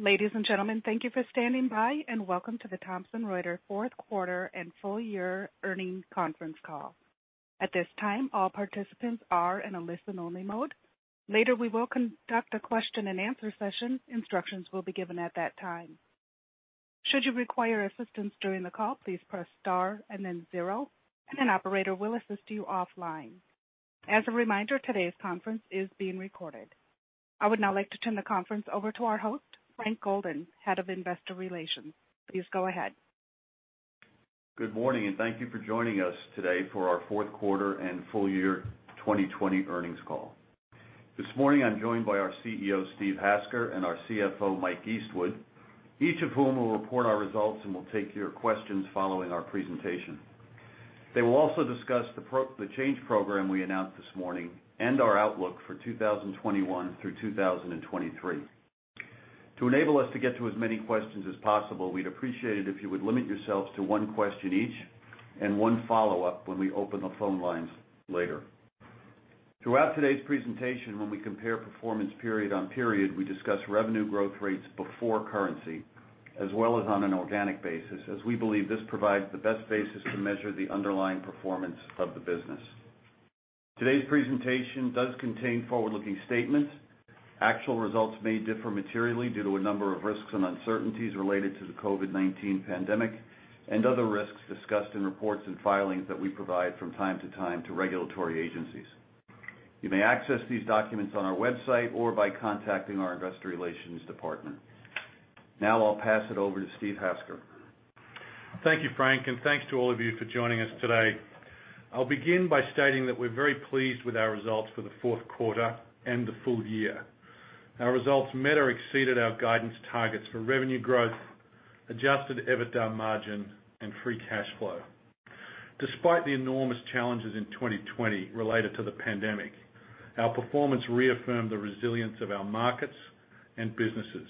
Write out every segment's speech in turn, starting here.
Ladies and gentlemen, thank you for standing by, and welcome to the Thomson Reuters fourth quarter and full year earnings conference call. At this time, all participants are in a listen-only mode. Later, we will conduct a question-and-answer session. Instructions will be given at that time. Should you require assistance during the call, please press star and then zero, and an operator will assist you offline. As a reminder, today's conference is being recorded. I would now like to turn the conference over to our host, Frank Golden, Head of Investor Relations. Please go ahead. Good morning, and thank you for joining us today for our fourth quarter and full year 2020 earnings call. This morning, I'm joined by our CEO, Steve Hasker, and our CFO, Mike Eastwood, each of whom will report our results and will take your questions following our presentation. They will also discuss the change program we announced this morning and our outlook for 2021 through 2023. To enable us to get to as many questions as possible, we'd appreciate it if you would limit yourselves to one question each and one follow-up when we open the phone lines later. Throughout today's presentation, when we compare performance period on period, we discuss revenue growth rates before currency, as well as on an organic basis, as we believe this provides the best basis to measure the underlying performance of the business. Today's presentation does contain forward-looking statements. Actual results may differ materially due to a number of risks and uncertainties related to the COVID-19 pandemic and other risks discussed in reports and filings that we provide from time to time to regulatory agencies. You may access these documents on our website or by contacting our investor relations department. Now, I'll pass it over to Steve Hasker. Thank you, Frank, and thanks to all of you for joining us today. I'll begin by stating that we're very pleased with our results for the fourth quarter and the full year. Our results met or exceeded our guidance targets for revenue growth, Adjusted EBITDA margin, and free cash flow. Despite the enormous challenges in 2020 related to the pandemic, our performance reaffirmed the resilience of our markets and businesses.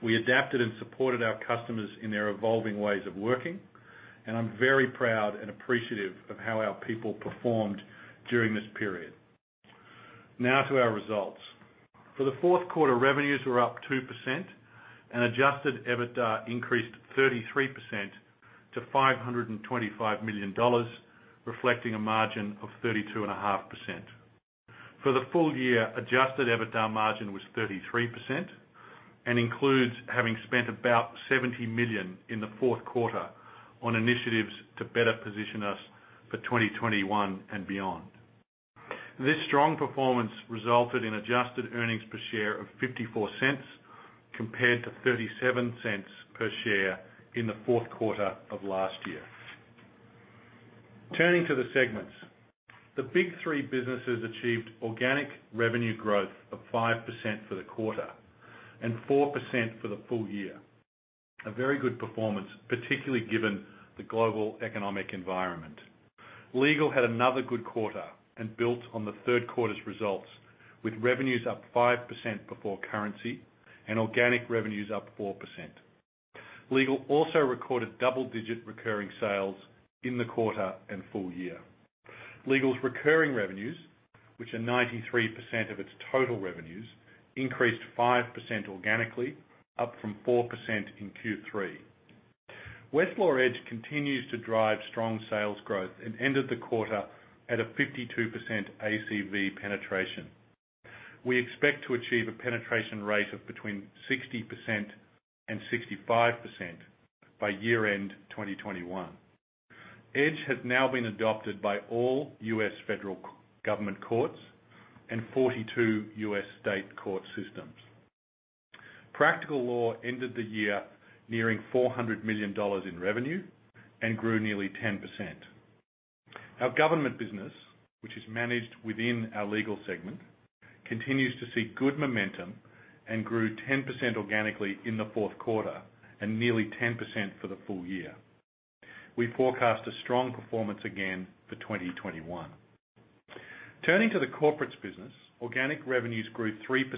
We adapted and supported our customers in their evolving ways of working, and I'm very proud and appreciative of how our people performed during this period. Now to our results. For the fourth quarter, revenues were up 2%, and Adjusted EBITDA increased 33% to $525 million, reflecting a margin of 32.5%. For the full year, Adjusted EBITDA margin was 33% and includes having spent about $70 million in the fourth quarter on initiatives to better position us for 2021 and beyond. This strong performance resulted in adjusted earnings per share of $0.54 compared to $0.37 per share in the fourth quarter of last year. Turning to the segments, the big three businesses achieved organic revenue growth of 5% for the quarter and 4% for the full year. A very good performance, particularly given the global economic environment. Legal had another good quarter and built on the third quarter's results, with revenues up 5% before currency and organic revenues up 4%. Legal also recorded double-digit recurring sales in the quarter and full year. Legal's recurring revenues, which are 93% of its total revenues, increased 5% organically, up from 4% in Q3. Westlaw Edge continues to drive strong sales growth and ended the quarter at a 52% ACV penetration. We expect to achieve a penetration rate of between 60% and 65% by year-end 2021. Edge has now been adopted by all U.S. federal government courts and 42 U.S. state court systems. Practical Law ended the year nearing $400 million in revenue and grew nearly 10%. Our government business, which is managed within our legal segment, continues to see good momentum and grew 10% organically in the fourth quarter and nearly 10% for the full year. We forecast a strong performance again for 2021. Turning to the corporate business, organic revenues grew 3%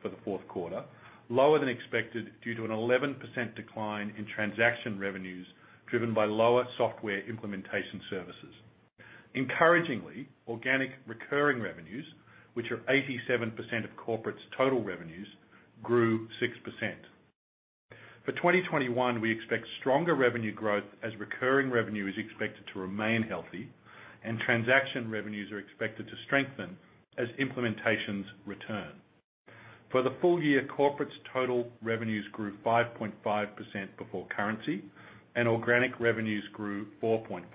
for the fourth quarter, lower than expected due to an 11% decline in transaction revenues driven by lower software implementation services. Encouragingly, organic recurring revenues, which are 87% of corporate's total revenues, grew 6%. For 2021, we expect stronger revenue growth as recurring revenue is expected to remain healthy, and transaction revenues are expected to strengthen as implementations return. For the full year, Corporates' total revenues grew 5.5% before currency, and organic revenues grew 4.5%.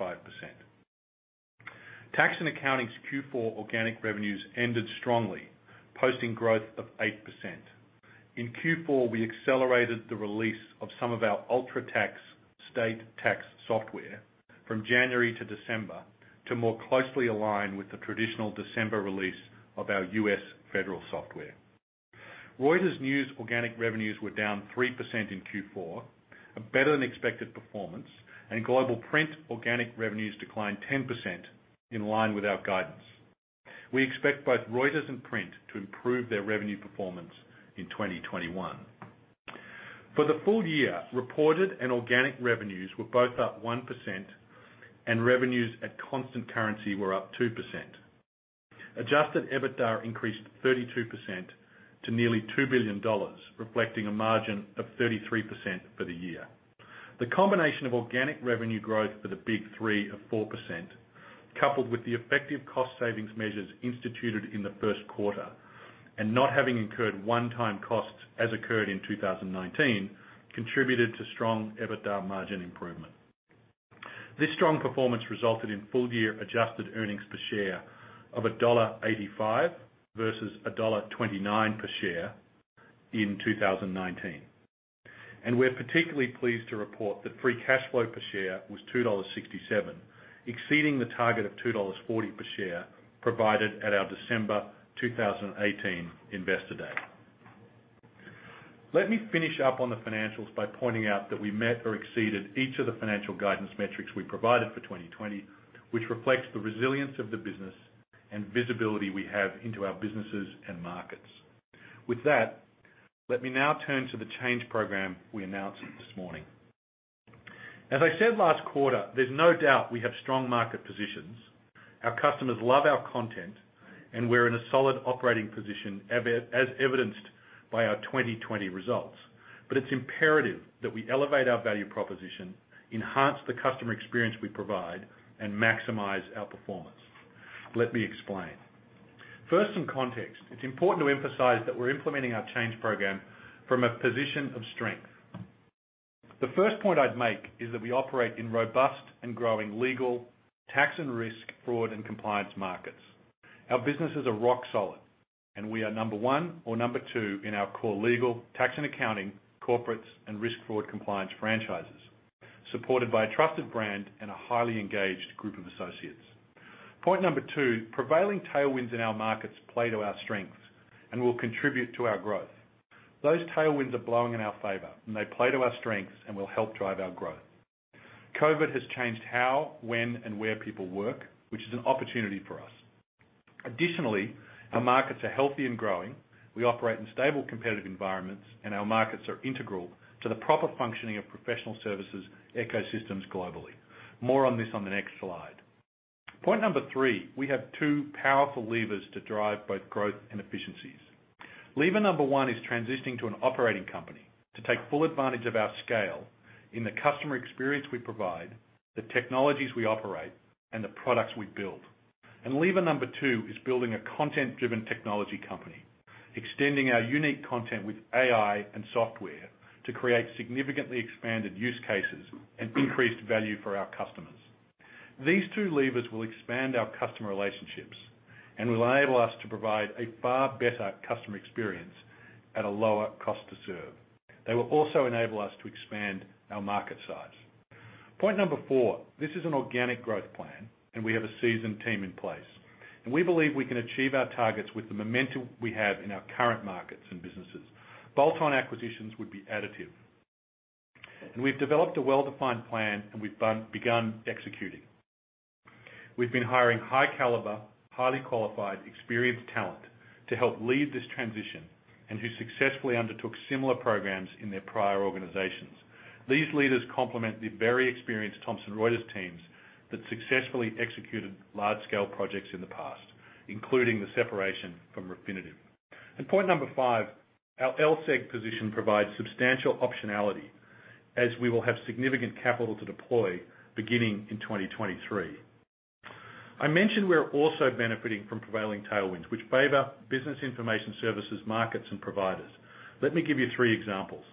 Tax and Accounting's Q4 organic revenues ended strongly, posting growth of 8%. In Q4, we accelerated the release of some of our UltraTax state tax software from January to December to more closely align with the traditional December release of our U.S. federal software. Reuters News organic revenues were down 3% in Q4, a better-than-expected performance, and Global Print organic revenues declined 10% in line with our guidance. We expect both Reuters and Print to improve their revenue performance in 2021. For the full year, reported and organic revenues were both up 1%, and revenues at constant currency were up 2%. Adjusted EBITDA increased 32% to nearly $2 billion, reflecting a margin of 33% for the year. The combination of organic revenue growth for the big three of 4%, coupled with the effective cost savings measures instituted in the first quarter and not having incurred one-time costs as occurred in 2019, contributed to strong EBITDA margin improvement. This strong performance resulted in full-year adjusted earnings per share of $1.85 versus $1.29 per share in 2019, and we're particularly pleased to report that free cash flow per share was $2.67, exceeding the target of $2.40 per share provided at our December 2018 investor day. Let me finish up on the financials by pointing out that we met or exceeded each of the financial guidance metrics we provided for 2020, which reflects the resilience of the business and visibility we have into our businesses and markets. With that, let me now turn to the change program we announced this morning. As I said last quarter, there's no doubt we have strong market positions. Our customers love our content, and we're in a solid operating position as evidenced by our 2020 results. But it's imperative that we elevate our value proposition, enhance the customer experience we provide, and maximize our performance. Let me explain. First, some context. It's important to emphasize that we're implementing our change program from a position of strength. The first point I'd make is that we operate in robust and growing legal, tax and risk, fraud, and compliance markets. Our business is a rock solid, and we are number one or number two in our core legal, tax and accounting, corporates, and risk, fraud, compliance franchises, supported by a trusted brand and a highly engaged group of associates. Point number two, prevailing tailwinds in our markets play to our strengths and will contribute to our growth. Those tailwinds are blowing in our favor, and they play to our strengths and will help drive our growth. COVID has changed how, when, and where people work, which is an opportunity for us. Additionally, our markets are healthy and growing. We operate in stable competitive environments, and our markets are integral to the proper functioning of professional services ecosystems globally. More on this on the next slide. Point number three, we have two powerful levers to drive both growth and efficiencies. Lever number one is transitioning to an operating company to take full advantage of our scale in the customer experience we provide, the technologies we operate, and the products we build. And lever number two is building a content-driven technology company, extending our unique content with AI and software to create significantly expanded use cases and increased value for our customers. These two levers will expand our customer relationships and will enable us to provide a far better customer experience at a lower cost to serve. They will also enable us to expand our market size. Point number four, this is an organic growth plan, and we have a seasoned team in place. And we believe we can achieve our targets with the momentum we have in our current markets and businesses. Bolt-on acquisitions would be additive. And we've developed a well-defined plan, and we've begun executing. We've been hiring high-caliber, highly qualified, experienced talent to help lead this transition and who successfully undertook similar programs in their prior organizations. These leaders complement the very experienced Thomson Reuters teams that successfully executed large-scale projects in the past, including the separation from Refinitiv and point number five, our LSEG position provides substantial optionality as we will have significant capital to deploy beginning in 2023. I mentioned we're also benefiting from prevailing tailwinds, which favor business information services, markets, and providers. Let me give you three examples.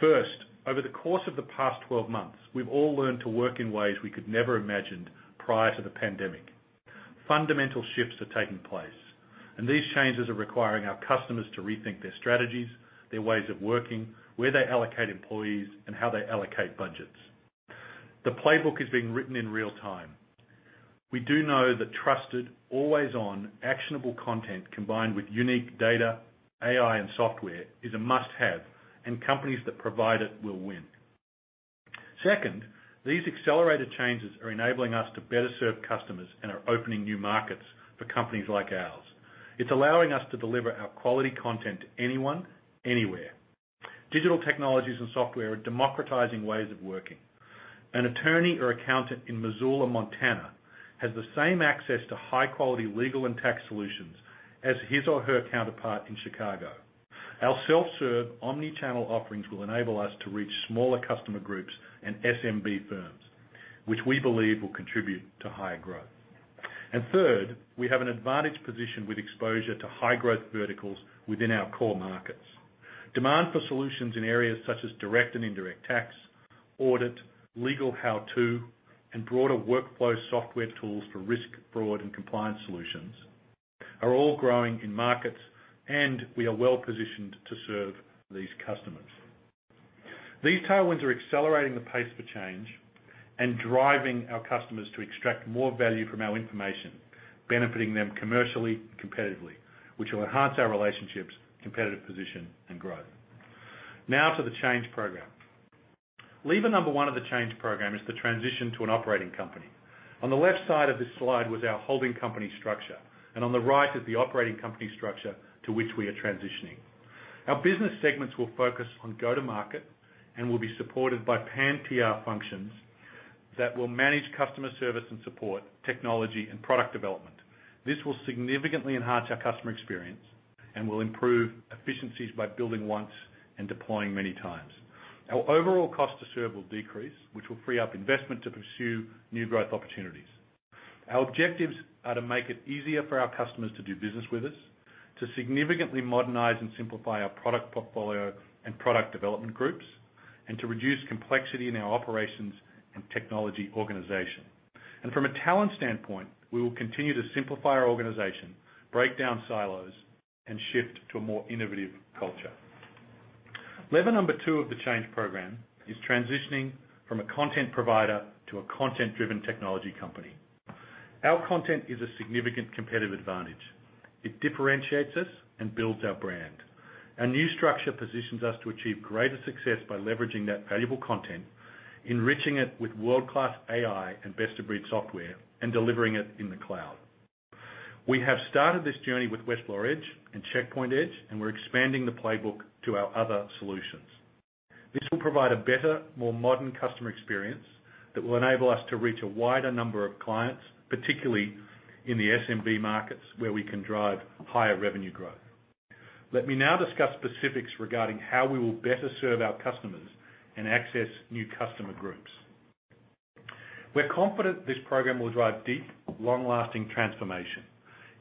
First, over the course of the past 12 months, we've all learned to work in ways we could never imagine prior to the pandemic. Fundamental shifts are taking place, and these changes are requiring our customers to rethink their strategies, their ways of working, where they allocate employees, and how they allocate budgets. The playbook is being written in real time. We do know that trusted, always-on, actionable content combined with unique data, AI, and software is a must-have, and companies that provide it will win. Second, these accelerated changes are enabling us to better serve customers and are opening new markets for companies like ours. It's allowing us to deliver our quality content to anyone, anywhere. Digital technologies and software are democratizing ways of working. An attorney or accountant in Missoula, Montana, has the same access to high-quality legal and tax solutions as his or her counterpart in Chicago. Our self-serve omnichannel offerings will enable us to reach smaller customer groups and SMB firms, which we believe will contribute to higher growth, and third, we have an advantage position with exposure to high-growth verticals within our core markets. Demand for solutions in areas such as direct and indirect tax, audit, legal how-to, and broader workflow software tools for risk, fraud, and compliance solutions are all growing in markets, and we are well-positioned to serve these customers. These tailwinds are accelerating the pace for change and driving our customers to extract more value from our information, benefiting them commercially and competitively, which will enhance our relationships, competitive position, and growth. Now to the change program. Lever number one of the change program is the transition to an operating company. On the left side of this slide was our holding company structure, and on the right is the operating company structure to which we are transitioning. Our business segments will focus on go-to-market and will be supported by Pan-TR functions that will manage customer service and support, technology, and product development. This will significantly enhance our customer experience and will improve efficiencies by building once and deploying many times. Our overall cost to serve will decrease, which will free up investment to pursue new growth opportunities. Our objectives are to make it easier for our customers to do business with us, to significantly modernize and simplify our product portfolio and product development groups, and to reduce complexity in our operations and technology organization. And from a talent standpoint, we will continue to simplify our organization, break down silos, and shift to a more innovative culture. Lever number two of the change program is transitioning from a content provider to a content-driven technology company. Our content is a significant competitive advantage. It differentiates us and builds our brand. Our new structure positions us to achieve greater success by leveraging that valuable content, enriching it with world-class AI and best-of-breed software, and delivering it in the cloud. We have started this journey with Westlaw Edge and Checkpoint Edge, and we're expanding the playbook to our other solutions. This will provide a better, more modern customer experience that will enable us to reach a wider number of clients, particularly in the SMB markets where we can drive higher revenue growth. Let me now discuss specifics regarding how we will better serve our customers and access new customer groups. We're confident this program will drive deep, long-lasting transformation.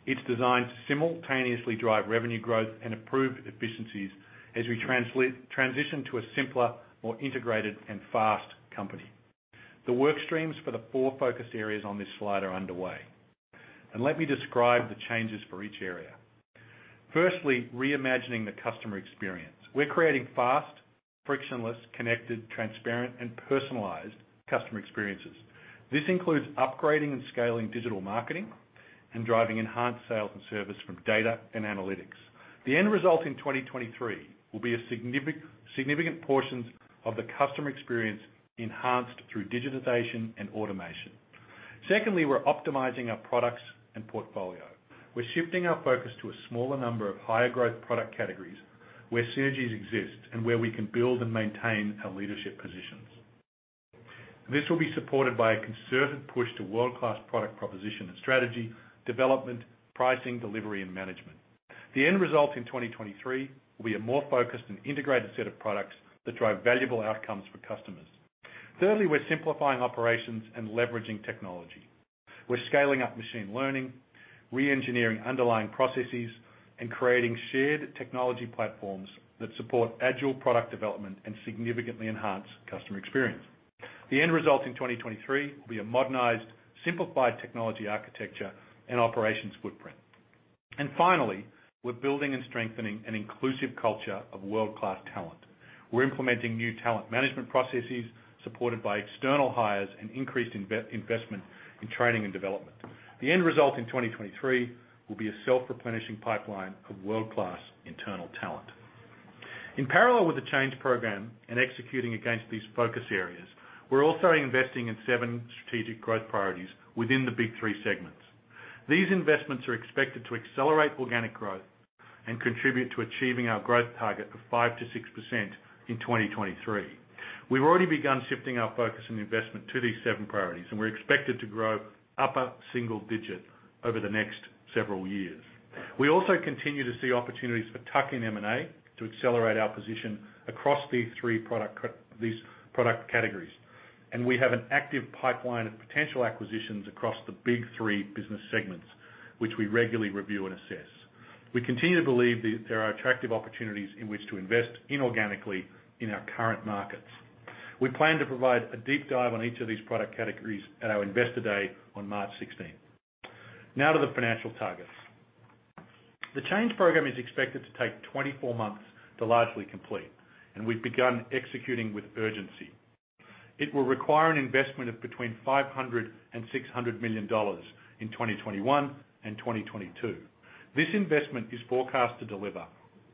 It's designed to simultaneously drive revenue growth and improve efficiencies as we transition to a simpler, more integrated, and fast company. The work streams for the four focus areas on this slide are underway, and let me describe the changes for each area. Firstly, reimagining the customer experience. We're creating fast, frictionless, connected, transparent, and personalized customer experiences. This includes upgrading and scaling digital marketing and driving enhanced sales and service from data and analytics. The end result in 2023 will be significant portions of the customer experience enhanced through digitization and automation. Secondly, we're optimizing our products and portfolio. We're shifting our focus to a smaller number of higher-growth product categories where synergies exist and where we can build and maintain our leadership positions. This will be supported by a concerted push to world-class product proposition and strategy, development, pricing, delivery, and management. The end result in 2023 will be a more focused and integrated set of products that drive valuable outcomes for customers. Thirdly, we're simplifying operations and leveraging technology. We're scaling up machine learning, re-engineering underlying processes, and creating shared technology platforms that support agile product development and significantly enhance customer experience. The end result in 2023 will be a modernized, simplified technology architecture and operations footprint, and finally, we're building and strengthening an inclusive culture of world-class talent. We're implementing new talent management processes supported by external hires and increased investment in training and development. The end result in 2023 will be a self-replenishing pipeline of world-class internal talent. In parallel with the change program and executing against these focus areas, we're also investing in seven strategic growth priorities within the big three segments. These investments are expected to accelerate organic growth and contribute to achieving our growth target of 5%-6% in 2023. We've already begun shifting our focus and investment to these seven priorities, and we're expected to grow up a single digit over the next several years. We also continue to see opportunities for tuck-in M&A to accelerate our position across these three product categories, and we have an active pipeline of potential acquisitions across the big three business segments, which we regularly review and assess. We continue to believe that there are attractive opportunities in which to invest inorganically in our current markets. We plan to provide a deep dive on each of these product categories at our investor day on March 16th. Now to the financial targets. The change program is expected to take 24 months to largely complete, and we've begun executing with urgency. It will require an investment of between $500 million and $600 million in 2021 and 2022. This investment is forecast to deliver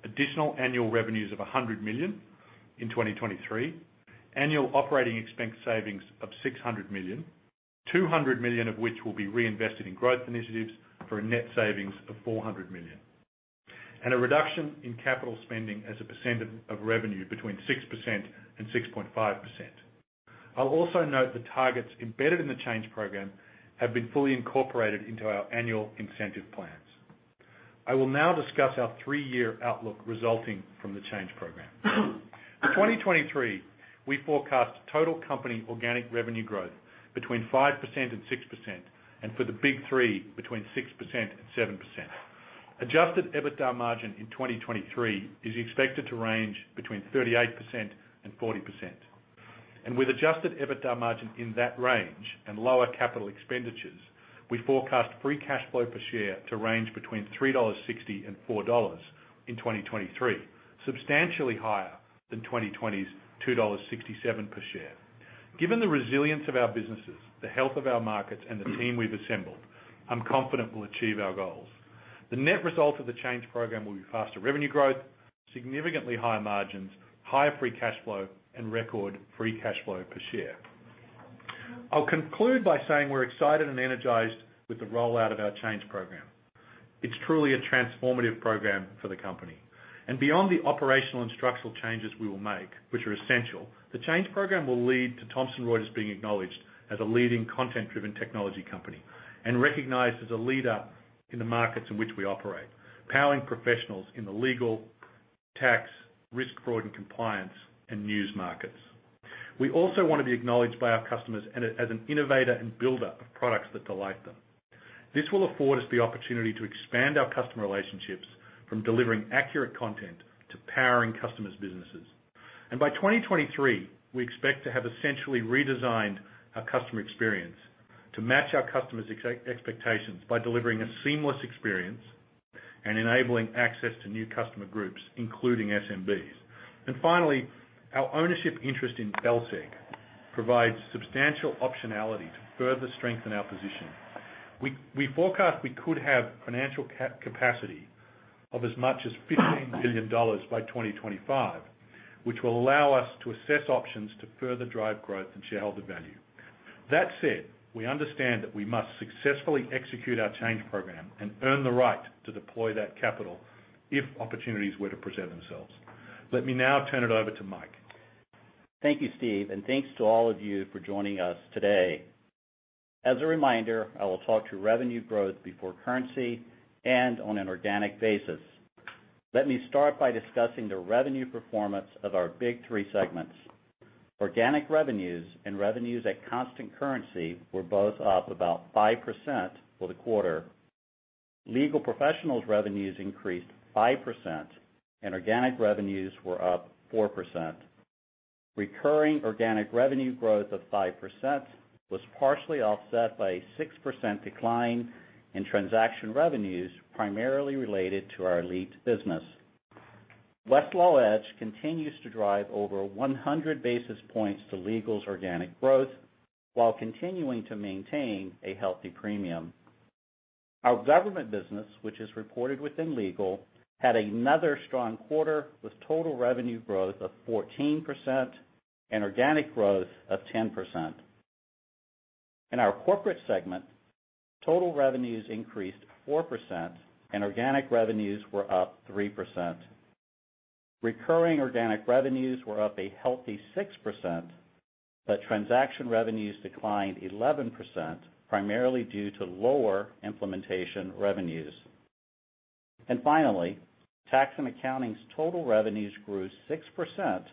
additional annual revenues of $100 million in 2023, annual operating expense savings of $600 million, $200 million of which will be reinvested in growth initiatives for a net savings of $400 million, and a reduction in capital spending as a percentage of revenue between 6% and 6.5%. I'll also note the targets embedded in the change program have been fully incorporated into our annual incentive plans. I will now discuss our three-year outlook resulting from the change program. For 2023, we forecast total company organic revenue growth between 5% and 6%, and for the big three, between 6% and 7%. Adjusted EBITDA margin in 2023 is expected to range between 38% and 40%. With adjusted EBITDA margin in that range and lower capital expenditures, we forecast free cash flow per share to range between $3.60 and $4 in 2023, substantially higher than 2020's $2.67 per share. Given the resilience of our businesses, the health of our markets, and the team we've assembled, I'm confident we'll achieve our goals. The net result of the change program will be faster revenue growth, significantly higher margins, higher free cash flow, and record free cash flow per share. I'll conclude by saying we're excited and energized with the rollout of our change program. It's truly a transformative program for the company. And beyond the operational and structural changes we will make, which are essential, the change program will lead to Thomson Reuters being acknowledged as a leading content-driven technology company and recognized as a leader in the markets in which we operate, powering professionals in the legal, tax, risk, fraud, and compliance and news markets. We also want to be acknowledged by our customers as an innovator and builder of products that delight them. This will afford us the opportunity to expand our customer relationships from delivering accurate content to powering customers' businesses. And by 2023, we expect to have essentially redesigned our customer experience to match our customers' expectations by delivering a seamless experience and enabling access to new customer groups, including SMBs. And finally, our ownership interest in LSEG provides substantial optionality to further strengthen our position. We forecast we could have financial capacity of as much as $15 billion by 2025, which will allow us to assess options to further drive growth and shareholder value. That said, we understand that we must successfully execute our change program and earn the right to deploy that capital if opportunities were to present themselves. Let me now turn it over to Mike. Thank you, Steve, and thanks to all of you for joining us today. As a reminder, I will talk to revenue growth before currency and on an organic basis. Let me start by discussing the revenue performance of our big three segments. Organic revenues and revenues at constant currency were both up about 5% for the quarter. Legal Professionals' revenues increased 5%, and organic revenues were up 4%. Recurring organic revenue growth of 5% was partially offset by a 6% decline in transaction revenues primarily related to our Elite business. Westlaw Edge continues to drive over 100 basis points to Legal's organic growth while continuing to maintain a healthy premium. Our government business, which is reported within Legal, had another strong quarter with total revenue growth of 14% and organic growth of 10%. In our Corporates segment, total revenues increased 4%, and organic revenues were up 3%. Recurring organic revenues were up a healthy 6%, but transaction revenues declined 11%, primarily due to lower implementation revenues. Finally, tax and accounting's total revenues grew 6%,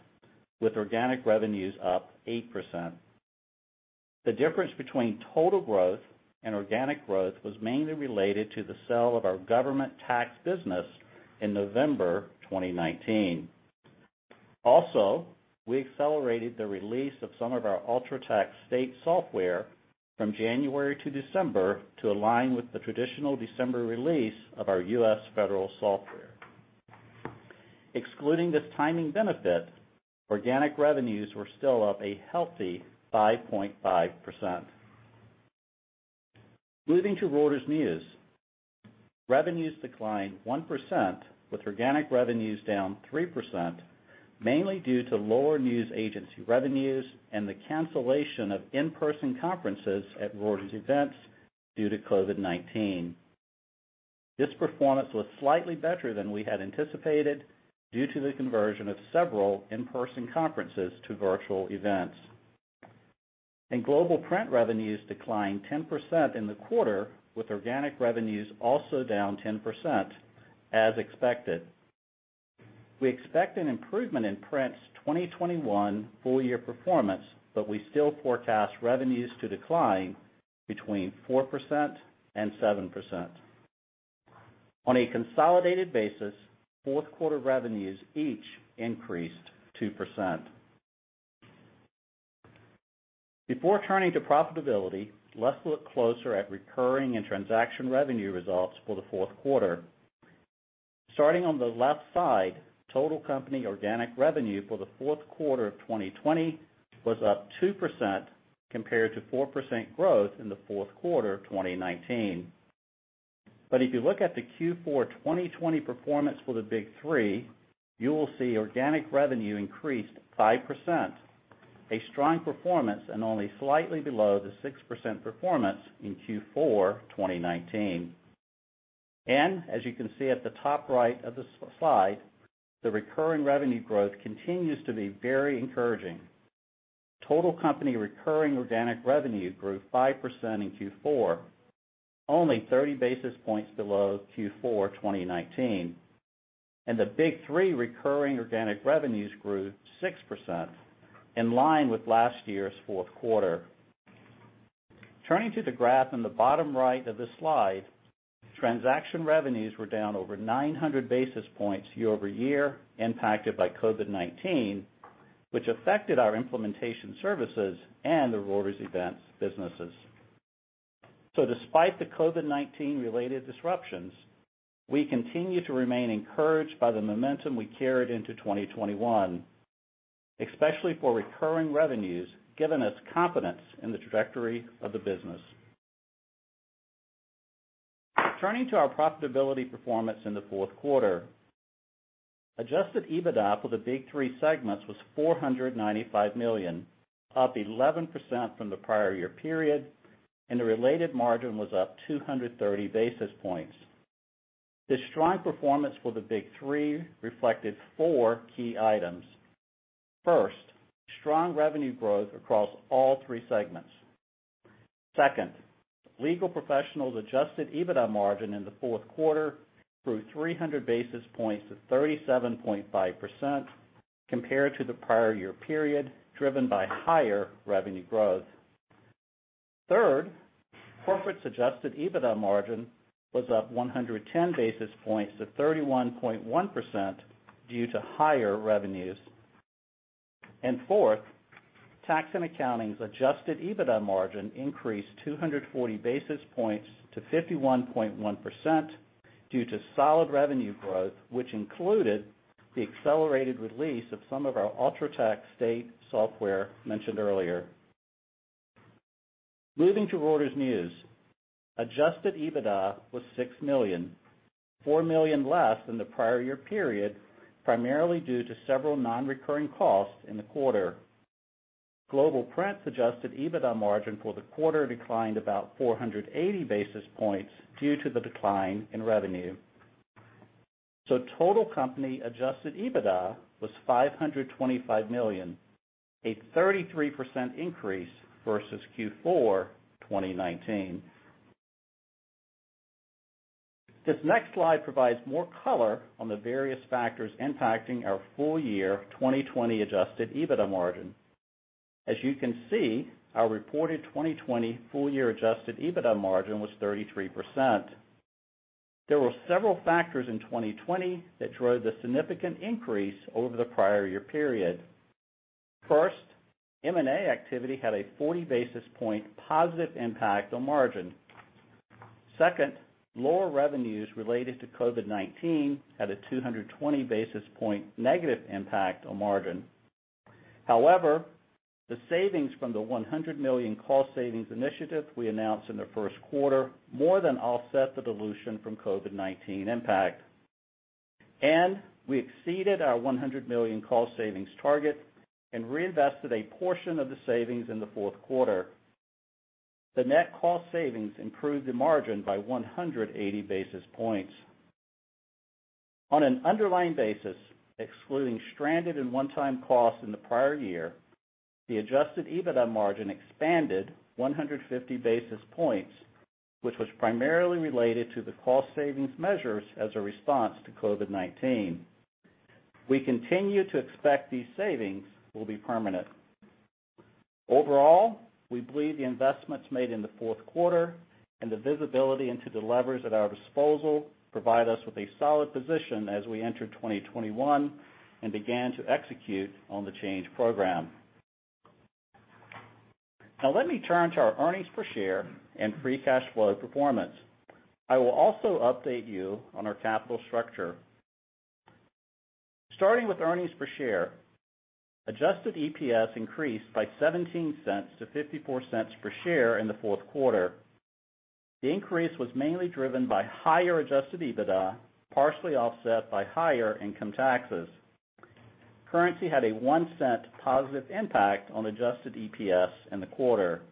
with organic revenues up 8%. The difference between total growth and organic growth was mainly related to the sale of our government tax business in November 2019. Also, we accelerated the release of some of our UltraTax state software from January to December to align with the traditional December release of our U.S. federal software. Excluding this timing benefit, organic revenues were still up a healthy 5.5%. Moving to Reuters News, revenues declined 1%, with organic revenues down 3%, mainly due to lower news agency revenues and the cancellation of in-person conferences at Reuters Events due to COVID-19. This performance was slightly better than we had anticipated due to the conversion of several in-person conferences to virtual events. And Global Print revenues declined 10% in the quarter, with organic revenues also down 10%, as expected. We expect an improvement in Print's 2021 full-year performance, but we still forecast revenues to decline between 4% and 7%. On a consolidated basis, fourth-quarter revenues each increased 2%. Before turning to profitability, let's look closer at recurring and transaction revenue results for the fourth quarter. Starting on the left side, total company organic revenue for the fourth quarter of 2020 was up 2% compared to 4% growth in the fourth quarter of 2019. But if you look at the Q4 2020 performance for the big three, you will see organic revenue increased 5%, a strong performance and only slightly below the 6% performance in Q4 2019. And as you can see at the top right of the slide, the recurring revenue growth continues to be very encouraging. Total company recurring organic revenue grew 5% in Q4, only 30 basis points below Q4 2019. And the big three recurring organic revenues grew 6%, in line with last year's fourth quarter. Turning to the graph in the bottom right of this slide, transaction revenues were down over 900 basis points year-over-year, impacted by COVID-19, which affected our implementation services and the Reuters Events businesses. So despite the COVID-19-related disruptions, we continue to remain encouraged by the momentum we carried into 2021, especially for recurring revenues, giving us confidence in the trajectory of the business. Turning to our profitability performance in the fourth quarter, Adjusted EBITDA for the big three segments was $495 million, up 11% from the prior year period, and the related margin was up 230 basis points. This strong performance for the big three reflected four key items. First, strong revenue growth across all three segments. Second, Legal Professionals' Adjusted EBITDA margin in the fourth quarter grew 300 basis points to 37.5% compared to the prior year period, driven by higher revenue growth. Third, Corporates' Adjusted EBITDA margin was up 110 basis points to 31.1% due to higher revenues. And fourth, Tax & Accounting's Adjusted EBITDA margin increased 240 basis points to 51.1% due to solid revenue growth, which included the accelerated release of some of our UltraTax state software mentioned earlier. Moving to Reuters News, Adjusted EBITDA was $6 million, $4 million less than the prior year period, primarily due to several non-recurring costs in the quarter. Global Print's Adjusted EBITDA margin for the quarter declined about 480 basis points due to the decline in revenue. So total company Adjusted EBITDA was $525 million, a 33% increase versus Q4 2019. This next slide provides more color on the various factors impacting our full-year 2020 Adjusted EBITDA margin. As you can see, our reported 2020 full-year Adjusted EBITDA margin was 33%. There were several factors in 2020 that drove the significant increase over the prior year period. First, M&A activity had a 40 basis point positive impact on margin. Second, lower revenues related to COVID-19 had a 220 basis point negative impact on margin. However, the savings from the $100 million cost savings initiative we announced in the first quarter more than offset the dilution from COVID-19 impact, and we exceeded our $100 million cost savings target and reinvested a portion of the savings in the fourth quarter. The net cost savings improved the margin by 180 basis points. On an underlying basis, excluding stranded and one-time costs in the prior year, the adjusted EBITDA margin expanded 150 basis points, which was primarily related to the cost savings measures as a response to COVID-19. We continue to expect these savings will be permanent. Overall, we believe the investments made in the fourth quarter and the visibility into the levers at our disposal provide us with a solid position as we entered 2021 and began to execute on the change program. Now let me turn to our earnings per share and free cash flow performance. I will also update you on our capital structure. Starting with earnings per share, adjusted EPS increased by $0.17 to $0.54 per share in the fourth quarter. The increase was mainly driven by higher adjusted EBITDA, partially offset by higher income taxes. Currency had a $0.01 positive impact on adjusted EPS in the quarter.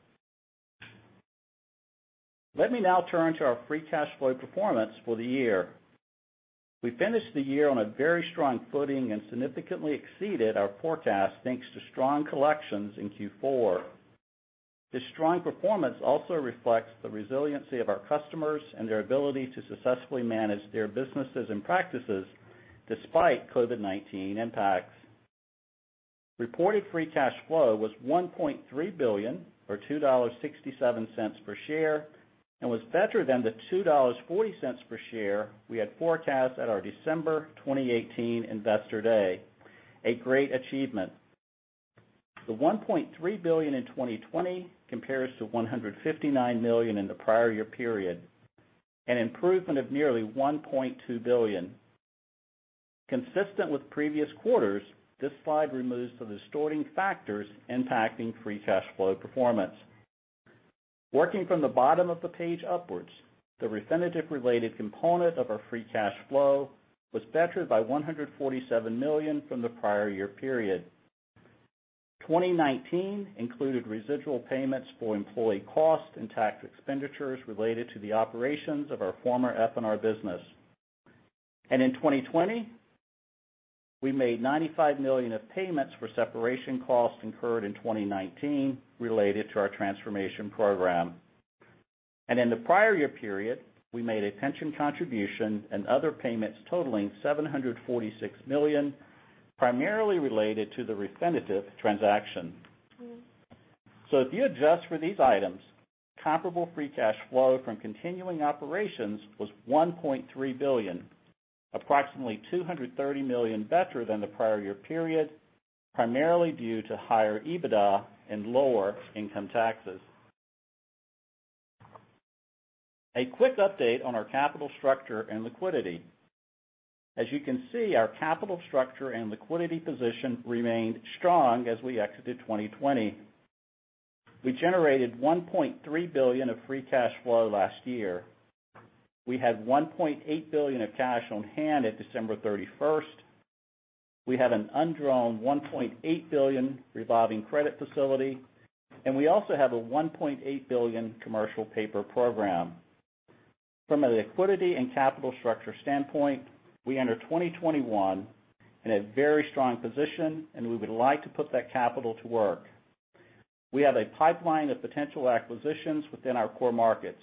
Let me now turn to our free cash flow performance for the year. We finished the year on a very strong footing and significantly exceeded our forecast thanks to strong collections in Q4. This strong performance also reflects the resiliency of our customers and their ability to successfully manage their businesses and practices despite COVID-19 impacts. Reported free cash flow was $1.3 billion, or $2.67 per share, and was better than the $2.40 per share we had forecast at our December 2018 Investor Day, a great achievement. The $1.3 billion in 2020 compares to $159 million in the prior year period, an improvement of nearly $1.2 billion. Consistent with previous quarters, this slide removes the distorting factors impacting free cash flow performance. Working from the bottom of the page upwards, the Refinitiv-related component of our free cash flow was bettered by $147 million from the prior year period. 2019 included residual payments for employee costs and tax expenditures related to the operations of our former F&R business. And in 2020, we made $95 million of payments for separation costs incurred in 2019 related to our transformation program. And in the prior year period, we made a pension contribution and other payments totaling $746 million, primarily related to the Refinitiv transaction. So if you adjust for these items, comparable free cash flow from continuing operations was $1.3 billion, approximately $230 million better than the prior year period, primarily due to higher EBITDA and lower income taxes. A quick update on our capital structure and liquidity. As you can see, our capital structure and liquidity position remained strong as we exited 2020. We generated $1.3 billion of free cash flow last year. We had $1.8 billion of cash on hand at December 31st. We have an undrawn $1.8 billion revolving credit facility, and we also have a $1.8 billion commercial paper program. From a liquidity and capital structure standpoint, we entered 2021 in a very strong position, and we would like to put that capital to work. We have a pipeline of potential acquisitions within our core markets.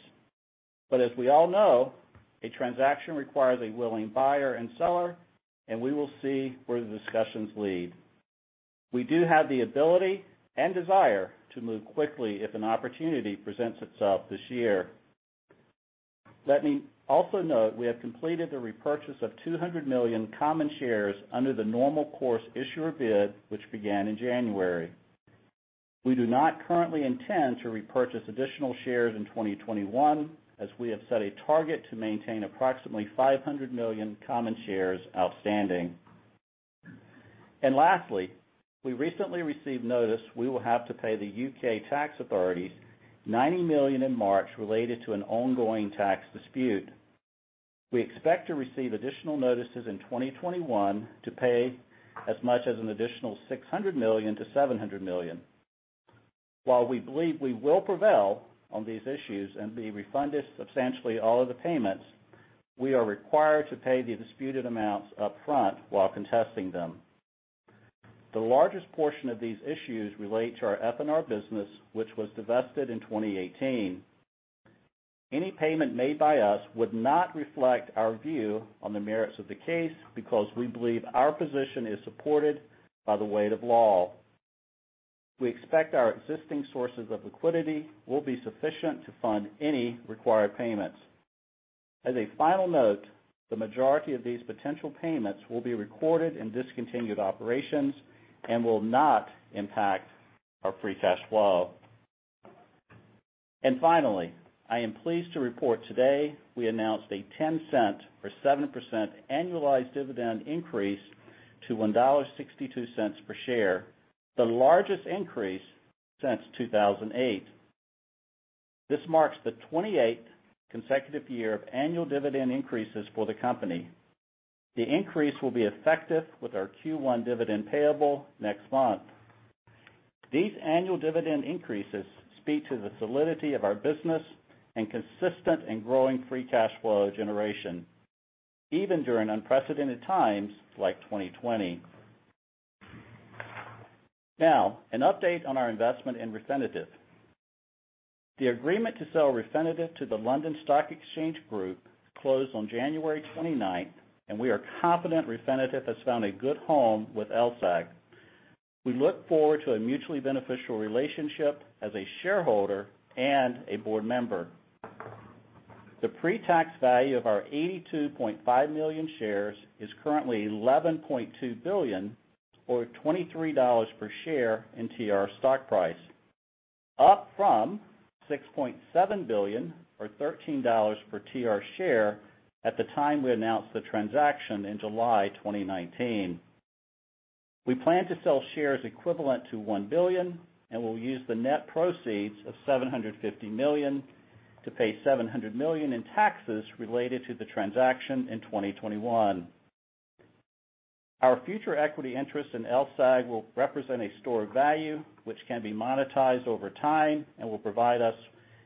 But as we all know, a transaction requires a willing buyer and seller, and we will see where the discussions lead. We do have the ability and desire to move quickly if an opportunity presents itself this year. Let me also note we have completed the repurchase of 200 million common shares under the normal course issuer bid, which began in January. We do not currently intend to repurchase additional shares in 2021, as we have set a target to maintain approximately 500 million common shares outstanding. Lastly, we recently received notice we will have to pay the UK tax authorities $90 million in March related to an ongoing tax dispute. We expect to receive additional notices in 2021 to pay as much as an additional $600 million-$700 million. While we believe we will prevail on these issues and be refunded substantially all of the payments, we are required to pay the disputed amounts upfront while contesting them. The largest portion of these issues relate to our F&R business, which was divested in 2018. Any payment made by us would not reflect our view on the merits of the case because we believe our position is supported by the weight of law. We expect our existing sources of liquidity will be sufficient to fund any required payments. As a final note, the majority of these potential payments will be recorded in discontinued operations and will not impact our free cash flow. And finally, I am pleased to report today we announced a 10-cent or 7% annualized dividend increase to $1.62 per share, the largest increase since 2008. This marks the 28th consecutive year of annual dividend increases for the company. The increase will be effective with our Q1 dividend payable next month. These annual dividend increases speak to the solidity of our business and consistent and growing free cash flow generation, even during unprecedented times like 2020. Now, an update on our investment in Refinitiv. The agreement to sell Refinitiv to the London Stock Exchange Group closed on January 29th, and we are confident Refinitiv has found a good home with LSEG. We look forward to a mutually beneficial relationship as a shareholder and a board member. The pre-tax value of our 82.5 million shares is currently $11.2 billion, or $23 per share in TR stock price, up from $6.7 billion, or $13 per TR share at the time we announced the transaction in July 2019. We plan to sell shares equivalent to $1 billion, and we'll use the net proceeds of $750 million to pay $700 million in taxes related to the transaction in 2021. Our future equity interest in LSAC will represent a store of value, which can be monetized over time and will provide us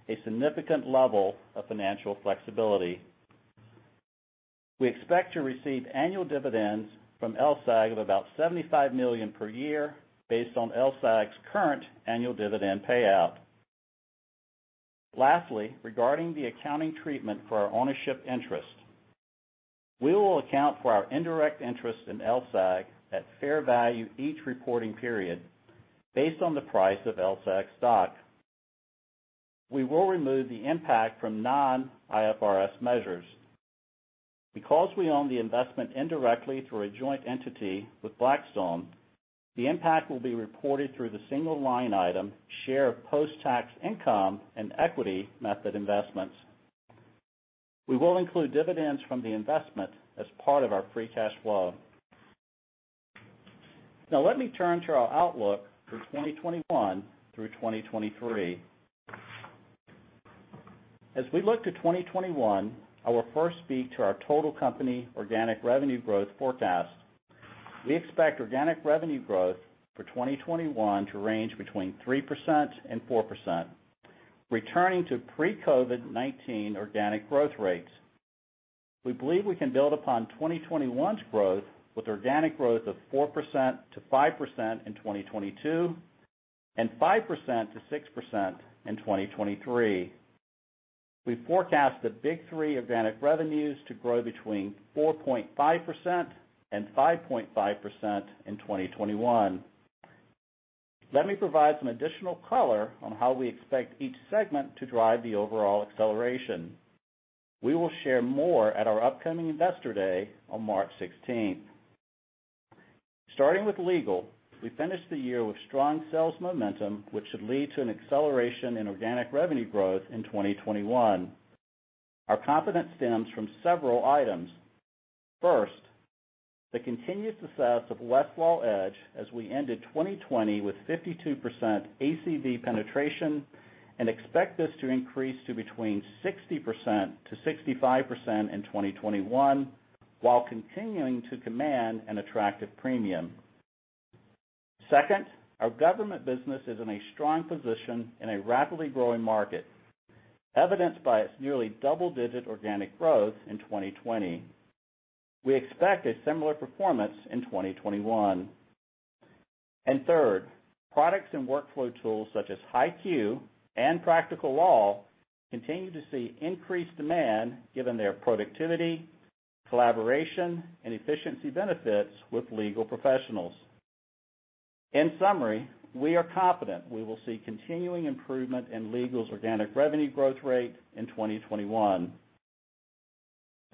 a significant level of financial flexibility. We expect to receive annual dividends from LSEG of about $75 million per year based on LSAC's current annual dividend payout. Lastly, regarding the accounting treatment for our ownership interest, we will account for our indirect interest in LSEG at fair value each reporting period based on the price of LSEG stock. We will remove the impact from non-IFRS measures. Because we own the investment indirectly through a joint entity with Blackstone, the impact will be reported through the single line item share post-tax income and equity method investments. We will include dividends from the investment as part of our free cash flow. Now let me turn to our outlook for 2021 through 2023. As we look to 2021, I will first speak to our total company organic revenue growth forecast. We expect organic revenue growth for 2021 to range between 3% and 4%, returning to pre-COVID-19 organic growth rates. We believe we can build upon 2021's growth with organic growth of 4% to 5% in 2022 and 5% to 6% in 2023. We forecast the big three organic revenues to grow between 4.5% and 5.5% in 2021. Let me provide some additional color on how we expect each segment to drive the overall acceleration. We will share more at our upcoming Investor Day on March 16th. Starting with legal, we finished the year with strong sales momentum, which should lead to an acceleration in organic revenue growth in 2021. Our confidence stems from several items. First, the continued success of Westlaw Edge as we ended 2020 with 52% ACV penetration and expect this to increase to between 60% to 65% in 2021 while continuing to command an attractive premium. Second, our government business is in a strong position in a rapidly growing market, evidenced by its nearly double-digit organic growth in 2020. We expect a similar performance in 2021. And third, products and workflow tools such as HighQ and Practical Law continue to see increased demand given their productivity, collaboration, and efficiency benefits with legal professionals. In summary, we are confident we will see continuing improvement in legal's organic revenue growth rate in 2021.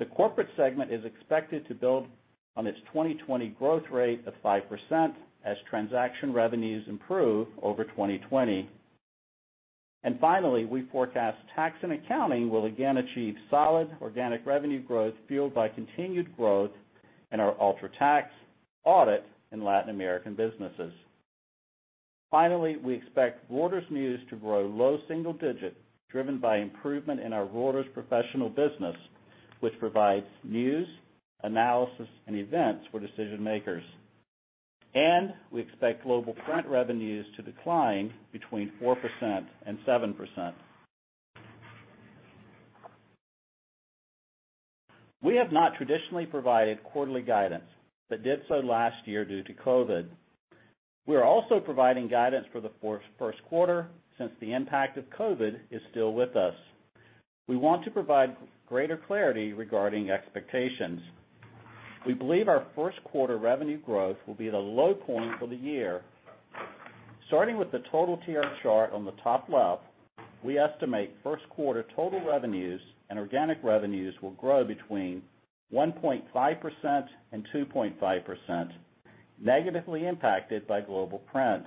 The corporate segment is expected to build on its 2020 growth rate of 5% as transaction revenues improve over 2020. And finally, we forecast tax and accounting will again achieve solid organic revenue growth fueled by continued growth in our UltraTax and Latin American businesses. Finally, we expect Reuters News to grow low single digit driven by improvement in our Reuters Professional business, which provides news, analysis, and events for decision-makers. We expect Global Print revenues to decline between 4% and 7%. We have not traditionally provided quarterly guidance but did so last year due to COVID. We are also providing guidance for the first quarter since the impact of COVID is still with us. We want to provide greater clarity regarding expectations. We believe our first quarter revenue growth will be the low point for the year. Starting with the total TR chart on the top left, we estimate first quarter total revenues and organic revenues will grow between 1.5% and 2.5%, negatively impacted by Global Print.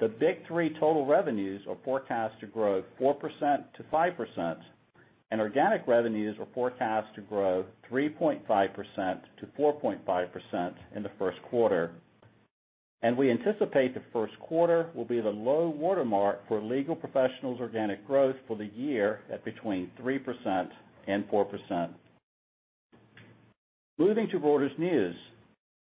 The big three total revenues are forecast to grow 4% to 5%, and organic revenues are forecast to grow 3.5% to 4.5% in the first quarter. We anticipate the first quarter will be the low watermark for legal professionals' organic growth for the year at between 3% and 4%. Moving to Reuters News,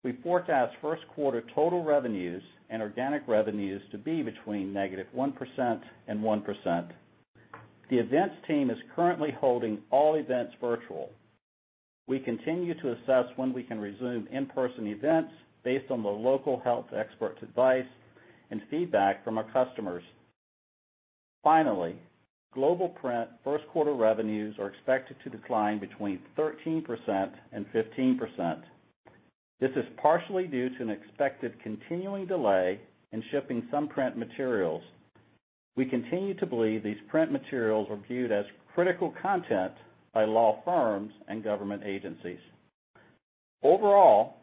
we forecast first quarter total revenues and organic revenues to be between -1% and 1%. The events team is currently holding all events virtual. We continue to assess when we can resume in-person events based on the local health experts' advice and feedback from our customers. Finally, Global Print first quarter revenues are expected to decline between 13% and 15%. This is partially due to an expected continuing delay in shipping some print materials. We continue to believe these print materials are viewed as critical content by law firms and government agencies. Overall,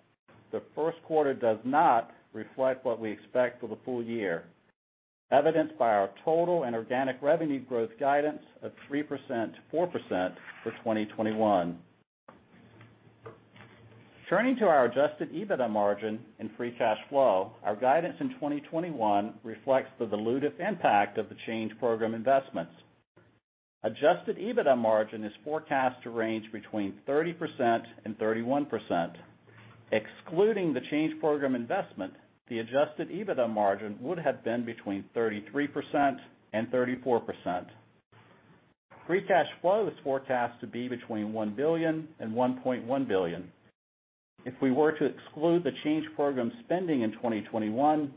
the first quarter does not reflect what we expect for the full year, evidenced by our total and organic revenue growth guidance of 3% to 4% for 2021. Turning to our Adjusted EBITDA margin and free cash flow, our guidance in 2021 reflects the dilutive impact of the change program investments. Adjusted EBITDA margin is forecast to range between 30% and 31%. Excluding the change program investment, the adjusted EBITDA margin would have been between 33% and 34%. Free cash flow is forecast to be between $1 billion and $1.1 billion. If we were to exclude the change program spending in 2021,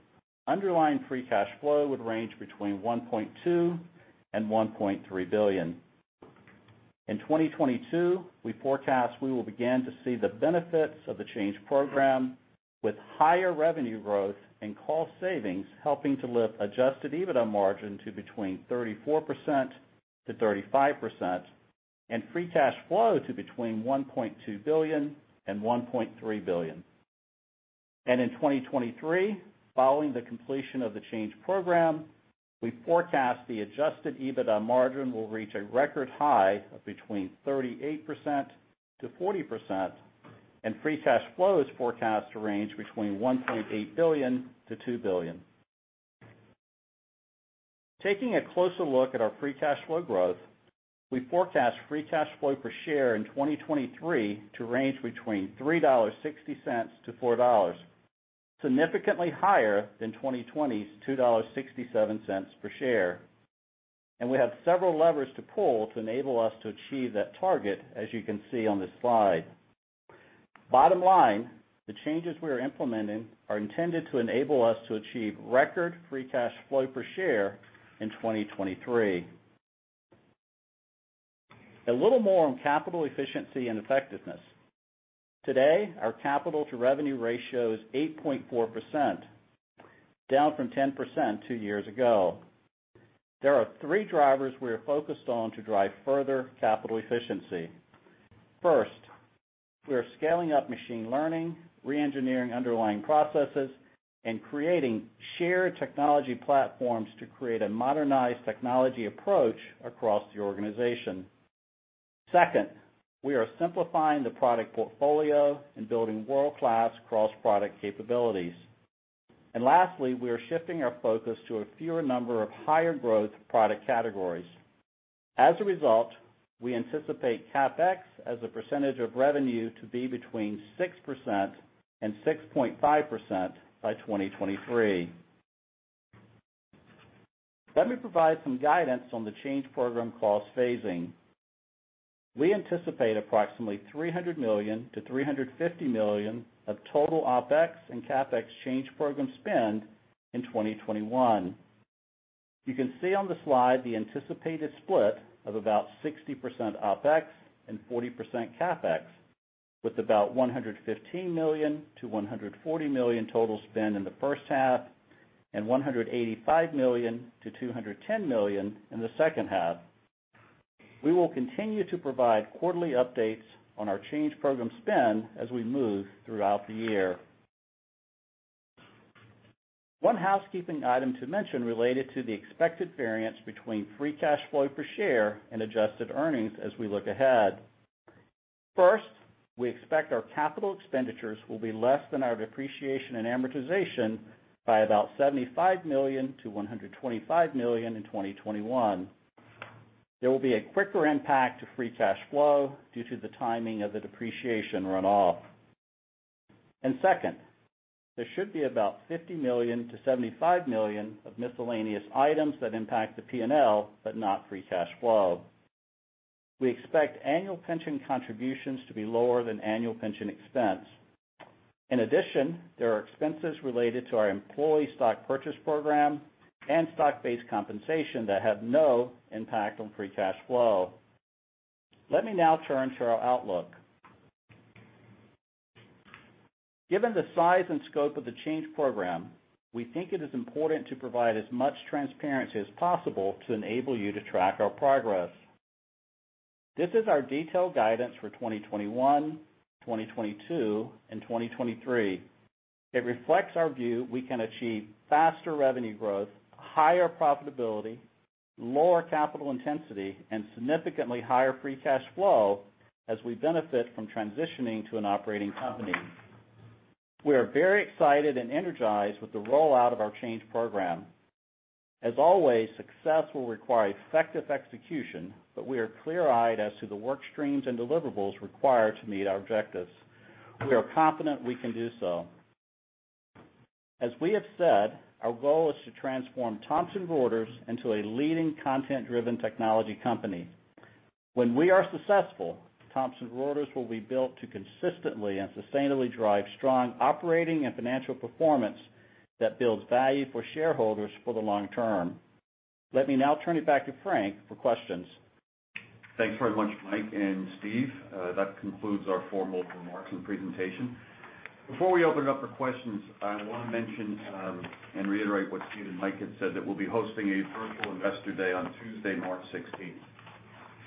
underlying free cash flow would range between $1.2 billion and $1.3 billion. In 2022, we forecast we will begin to see the benefits of the change program with higher revenue growth and cost savings helping to lift adjusted EBITDA margin to between 34% to 35% and free cash flow to between $1.2 billion and $1.3 billion. In 2023, following the completion of the change program, we forecast the adjusted EBITDA margin will reach a record high of between 38% to 40%, and free cash flow is forecast to range between $1.8 billion to $2 billion. Taking a closer look at our free cash flow growth, we forecast free cash flow per share in 2023 to range between $3.60-$4, significantly higher than 2020's $2.67 per share. And we have several levers to pull to enable us to achieve that target, as you can see on this slide. Bottom line, the changes we are implementing are intended to enable us to achieve record free cash flow per share in 2023. A little more on capital efficiency and effectiveness. Today, our capital-to-revenue ratio is 8.4%, down from 10% two years ago. There are three drivers we are focused on to drive further capital efficiency. First, we are scaling up machine learning, re-engineering underlying processes, and creating shared technology platforms to create a modernized technology approach across the organization. Second, we are simplifying the product portfolio and building world-class cross-product capabilities. And lastly, we are shifting our focus to a fewer number of higher growth product categories. As a result, we anticipate CapEx as a percentage of revenue to be between 6% and 6.5% by 2023. Let me provide some guidance on the change program cost phasing. We anticipate approximately $300 million-$350 million of total OpEx and CapEx change program spend in 2021. You can see on the slide the anticipated split of about 60% OpEx and 40% CapEx, with about $115 million-$140 million total spend in the first half and $185 million-$210 million in the second half. We will continue to provide quarterly updates on our change program spend as we move throughout the year. One housekeeping item to mention related to the expected variance between free cash flow per share and adjusted earnings as we look ahead. First, we expect our capital expenditures will be less than our depreciation and amortization by about $75 million-$125 million in 2021. There will be a quicker impact to free cash flow due to the timing of the depreciation runoff. And second, there should be about $50 million-$75 million of miscellaneous items that impact the P&L, but not free cash flow. We expect annual pension contributions to be lower than annual pension expense. In addition, there are expenses related to our employee stock purchase program and stock-based compensation that have no impact on free cash flow. Let me now turn to our outlook. Given the size and scope of the change program, we think it is important to provide as much transparency as possible to enable you to track our progress. This is our detailed guidance for 2021, 2022, and 2023. It reflects our view we can achieve faster revenue growth, higher profitability, lower capital intensity, and significantly higher free cash flow as we benefit from transitioning to an operating company. We are very excited and energized with the rollout of our change program. As always, success will require effective execution, but we are clear-eyed as to the work streams and deliverables required to meet our objectives. We are confident we can do so. As we have said, our goal is to transform Thomson Reuters into a leading content-driven technology company. When we are successful, Thomson Reuters will be built to consistently and sustainably drive strong operating and financial performance that builds value for shareholders for the long term. Let me now turn it back to Frank for questions. Thanks very much, Mike and Steve. That concludes our formal remarks and presentation. Before we open it up for questions, I want to mention and reiterate what Steve and Mike had said that we'll be hosting a virtual Investor Day on Tuesday, March 16th.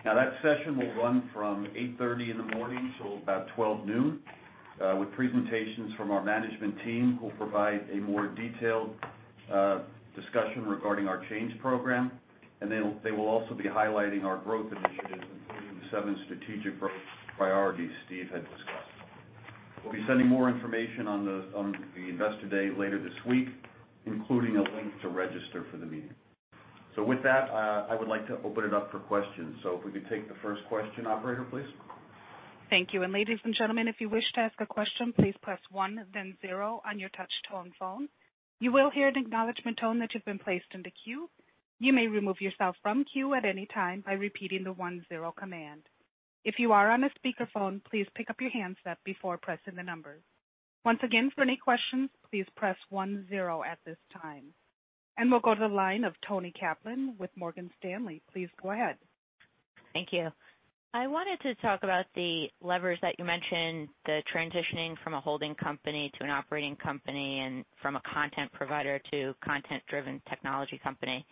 Now, that session will run from 8:30 A.M. till about 12:00 P.M., with presentations from our management team who will provide a more detailed discussion regarding our change program. And they will also be highlighting our growth initiatives, including seven strategic growth priorities Steve had discussed. We'll be sending more information on the Investor Day later this week, including a link to register for the meeting. So with that, I would like to open it up for questions. So if we could take the first question, operator, please. Thank you. And ladies and gentlemen, if you wish to ask a question, please press 1, then 0 on your touch-tone phone. You will hear an acknowledgment tone that you've been placed in the queue. You may remove yourself from queue at any time by repeating the 1, 0 command. If you are on a speakerphone, please pick up your handset before pressing the number. Once again, for any questions, please press 1, 0 at this time. And we'll go to the line of Toni Kaplan with Morgan Stanley. Please go ahead. Thank you. I wanted to talk about the levers that you mentioned, the transitioning from a holding company to an operating company and from a content provider to a content-driven technology company.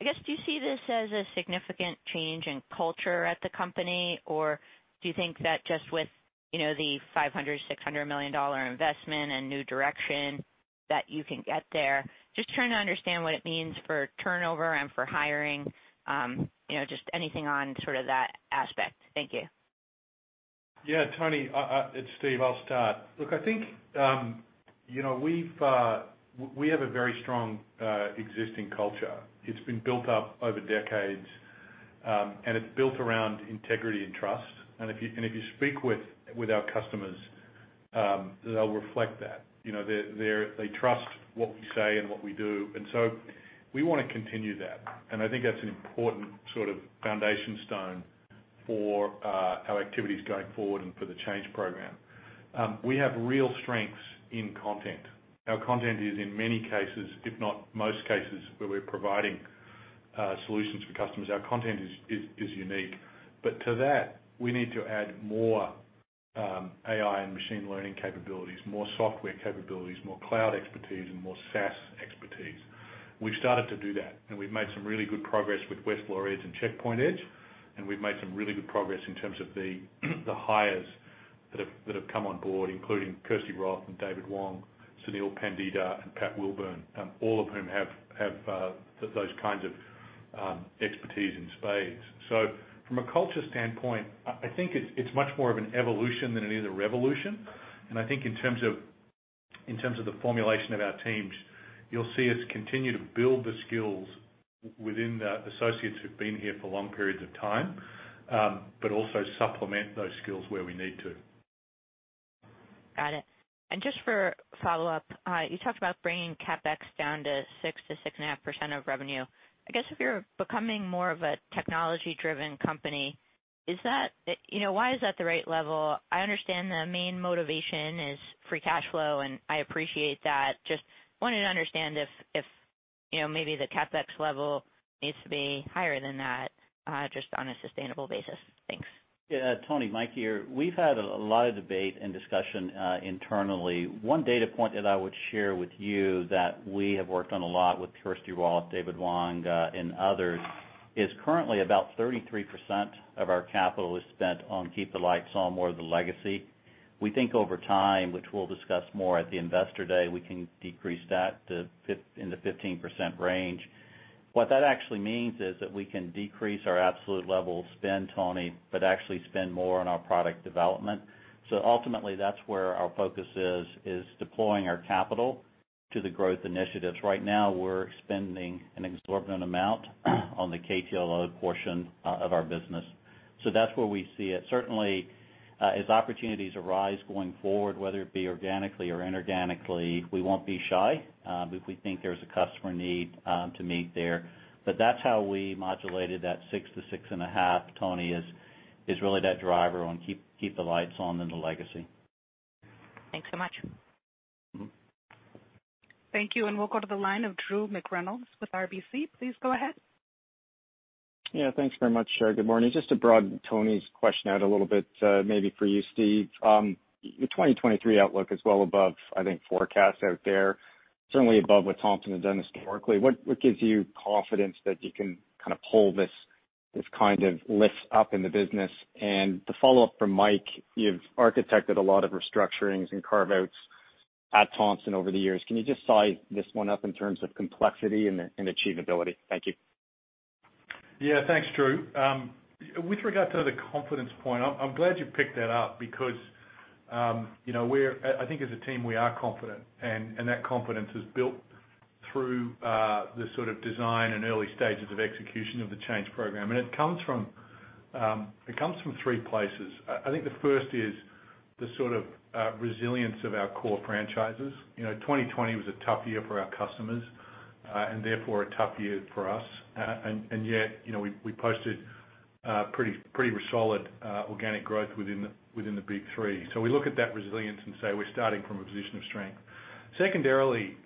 I guess, do you see this as a significant change in culture at the company, or do you think that just with the $500-$600 million investment and new direction that you can get there, just trying to understand what it means for turnover and for hiring, just anything on sort of that aspect? Thank you. Yeah, Toni, it's Steve. I'll start. Look, I think we have a very strong existing culture. It's been built up over decades, and it's built around integrity and trust. And if you speak with our customers, they'll reflect that. They trust what we say and what we do. And so we want to continue that. And I think that's an important sort of foundation stone for our activities going forward and for the change program. We have real strengths in content. Our content is, in many cases, if not most cases, where we're providing solutions for customers. Our content is unique. But to that, we need to add more AI and machine learning capabilities, more software capabilities, more cloud expertise, and more SaaS expertise. We've started to do that. And we've made some really good progress with Westlaw Edge and Checkpoint Edge. And we've made some really good progress in terms of the hires that have come on board, including Kirsty Roth and David Wong, Sunil Pandita, and Pat Wilburn, all of whom have those kinds of expertise in spades. So from a culture standpoint, I think it's much more of an evolution than it is a revolution. And I think in terms of the formulation of our teams, you'll see us continue to build the skills within the associates who've been here for long periods of time, but also supplement those skills where we need to. Got it. And just for follow-up, you talked about bringing CAPEX down to 6%-6.5% of revenue. I guess if you're becoming more of a technology-driven company, why is that the right level? I understand the main motivation is free cash flow, and I appreciate that. Just wanted to understand if maybe the CAPEX level needs to be higher than that just on a sustainable basis. Thanks. Yeah, Toni, Mike here. We've had a lot of debate and discussion internally. One data point that I would share with you that we have worked on a lot with Kirsty Roth, David Wong, and others is currently about 33% of our capital is spent on Keep the Lights On, more of the legacy. We think over time, which we'll discuss more at the Investor Day, we can decrease that into 15% range. What that actually means is that we can decrease our absolute level of spend, Tony, but actually spend more on our product development. So ultimately, that's where our focus is, is deploying our capital to the growth initiatives. Right now, we're spending an exorbitant amount on the KTLO portion of our business. So that's where we see it. Certainly, as opportunities arise going forward, whether it be organically or inorganically, we won't be shy if we think there's a customer need to meet there. But that's how we modulated that 6% to 6.5%, Tony, is really that driver on Keep the Lights On and the Legacy. Thanks so much. Thank you. And we'll go to the line of Drew McReynolds with RBC. Please go ahead. Yeah, thanks very much, Good morning. It's just to broaden Tony's question out a little bit, maybe for you, Steve. Your 2023 outlook is well above, I think, forecasts out there, certainly above what Thomson has done historically. What gives you confidence that you can kind of pull this kind of lift up in the business? And the follow-up from Mike, you've architected a lot of restructurings and carve-outs at Thomson over the years. Can you just size this one up in terms of complexity and achievability? Thank you. Yeah, thanks, Drew. With regard to the confidence point, I'm glad you picked that up because I think as a team, we are confident, and that confidence is built through the sort of design and early stages of execution of the change program, and it comes from three places. I think the first is the sort of resilience of our core franchises. 2020 was a tough year for our customers and therefore a tough year for us, and yet, we posted pretty solid organic growth within the big three, so we look at that resilience and say we're starting from a position of strength. Secondarily,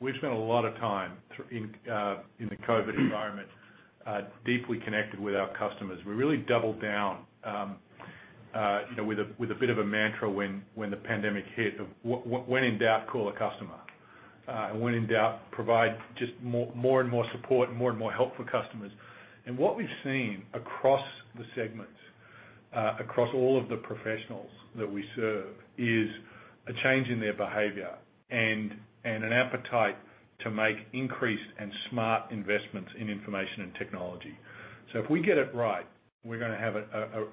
we've spent a lot of time in the COVID environment deeply connected with our customers. We really doubled down with a bit of a mantra when the pandemic hit of, "When in doubt, call a customer," and when in doubt, provide just more and more support and more and more help for customers, and what we've seen across the segments, across all of the professionals that we serve, is a change in their behavior and an appetite to make increased and smart investments in information and technology, so if we get it right, we're going to have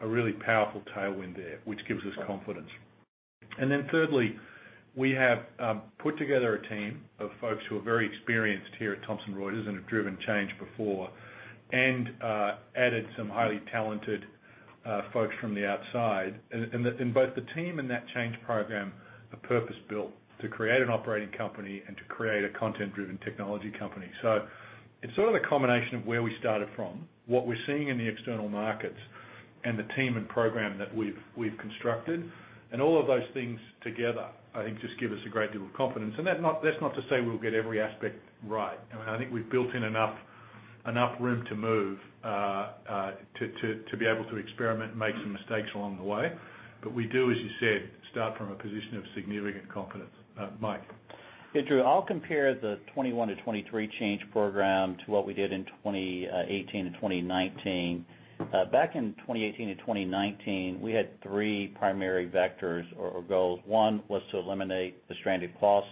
a really powerful tailwind there, which gives us confidence, and then thirdly, we have put together a team of folks who are very experienced here at Thomson Reuters and have driven change before and added some highly talented folks from the outside, and both the team and that change program are purpose-built to create an operating company and to create a content-driven technology company. So it's sort of a combination of where we started from, what we're seeing in the external markets, and the team and program that we've constructed. And all of those things together, I think, just give us a great deal of confidence. And that's not to say we'll get every aspect right. I mean, I think we've built in enough room to move to be able to experiment and make some mistakes along the way. But we do, as you said, start from a position of significant confidence. Mike. Yeah, Drew, I'll compare the 2021 to 2023 change program to what we did in 2018 to 2019. Back in 2018 to 2019, we had three primary vectors or goals. One was to eliminate the stranded cost,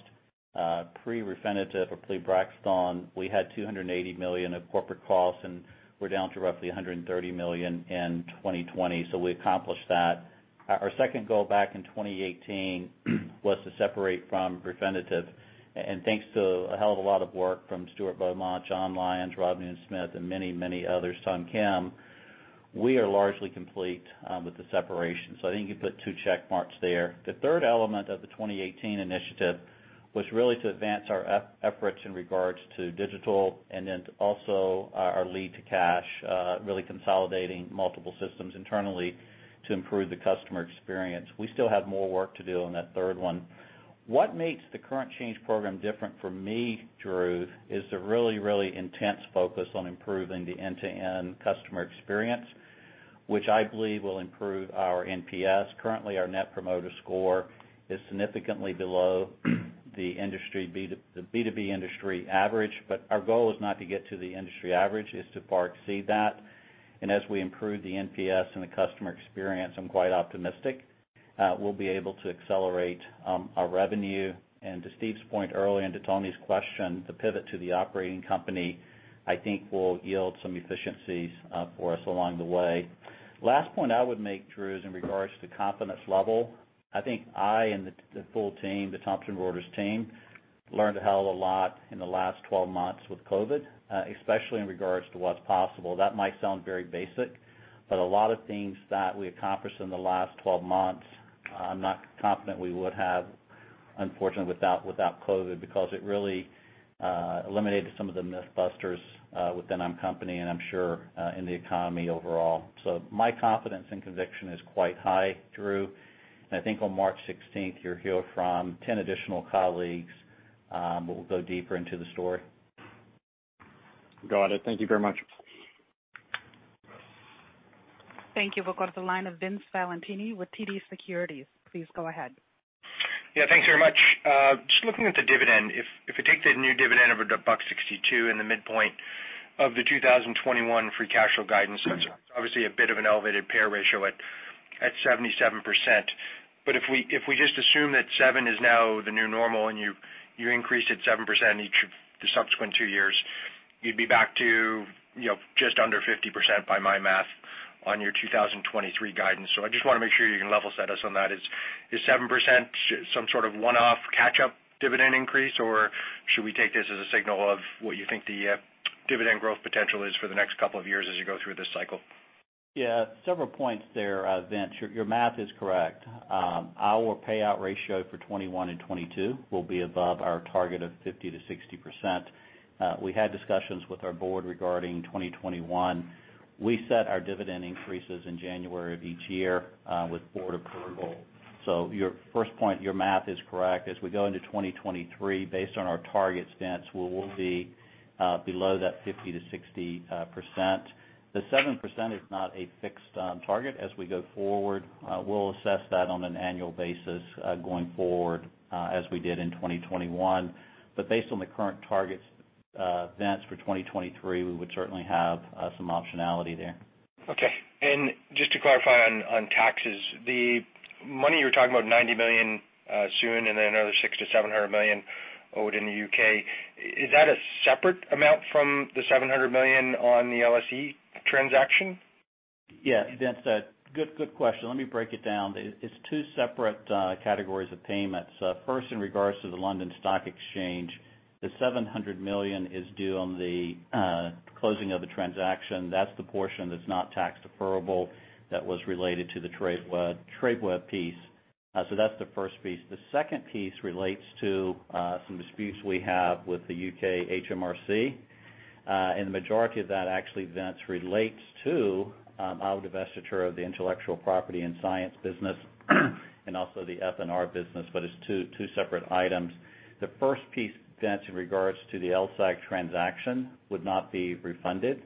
pre-Refinitiv or pre-Blackstone. We had $280 million of corporate costs, and we're down to roughly $130 million in 2020. So we accomplished that. Our second goal back in 2018 was to separate from Refinitiv. And thanks to a hell of a lot of work from Stuart Beaumont, John Lyons, Rob Neff, and many, many others, Tom Kim, we are largely complete with the separation. So I think you put two checkmarks there. The third element of the 2018 initiative was really to advance our efforts in regards to digital and then also our lead to cash, really consolidating multiple systems internally to improve the customer experience. We still have more work to do on that third one. What makes the current change program different for me, Drew, is the really, really intense focus on improving the end-to-end customer experience, which I believe will improve our NPS. Currently, our net promoter score is significantly below the B2B industry average. But our goal is not to get to the industry average. It's to far exceed that. And as we improve the NPS and the customer experience, I'm quite optimistic we'll be able to accelerate our revenue. And to Steve's point earlier and to Tony's question, the pivot to the operating company, I think, will yield some efficiencies for us along the way. Last point I would make, Drew, is in regards to confidence level. I think I and the full team, the Thomson Reuters team, learned a hell of a lot in the last 12 months with COVID, especially in regards to what's possible. That might sound very basic, but a lot of things that we accomplished in the last 12 months, I'm not confident we would have, unfortunately, without COVID because it really eliminated some of the myth busters within our company and I'm sure in the economy overall. So my confidence and conviction is quite high, Drew. And I think on March 16th, you'll hear from 10 additional colleagues who will go deeper into the story. Got it. Thank you very much. Thank you. We'll go to the line of Vince Valentini with TD Securities. Please go ahead. Yeah, thanks very much. Just looking at the dividend, if we take the new dividend of about $1.62 in the midpoint of the 2021 free cash flow guidance, that's obviously a bit of an elevated pay ratio at 77%. But if we just assume that 7 is now the new normal and you increase it 7% each of the subsequent two years, you'd be back to just under 50% by my math on your 2023 guidance. So I just want to make sure you can level set us on that. Is 7% some sort of one-off catch-up dividend increase, or should we take this as a signal of what you think the dividend growth potential is for the next couple of years as you go through this cycle? Yeah, several points there, Vince. Your math is correct. Our payout ratio for 2021 and 2022 will be above our target of 50%-60%. We had discussions with our board regarding 2021. We set our dividend increases in January of each year with board approval. So your first point, your math is correct. As we go into 2023, based on our target stance, we will be below that 50%-60%. The 7% is not a fixed target. As we go forward, we'll assess that on an annual basis going forward as we did in 2021. But based on the current targets, Vince, for 2023, we would certainly have some optionality there. Okay. And just to clarify on taxes, the money you're talking about, $90 million soon and then another 6% to $700 million owed in the UK, is that a separate amount from the $700 million on the LSE transaction? Yeah, Vince, good question. Let me break it down. It's two separate categories of payments. First, in regards to the London Stock Exchange, the $700 million is due on the closing of the transaction. That's the portion that's not tax deferrable that was related to the Tradeweb piece. So that's the first piece. The second piece relates to some disputes we have with the U.K. HMRC. And the majority of that, actually, Vince, relates to our divestiture of the intellectual property and science business and also the F&R business, but it's two separate items. The first piece, Vince, in regards to the LSAC transaction, would not be refunded.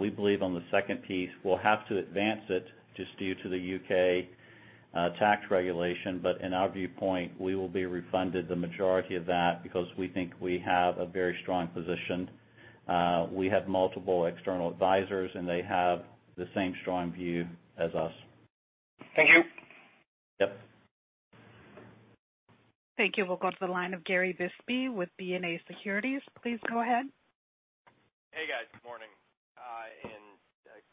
We believe on the second piece, we'll have to advance it just due to the U.K. tax regulation. But in our viewpoint, we will be refunded the majority of that because we think we have a very strong position. We have multiple external advisors, and they have the same strong view as us. Thank you. Yep. Thank you. We'll go to the line of Gary Bisbee with BofA Securities. Please go ahead. Hey, guys. Good morning and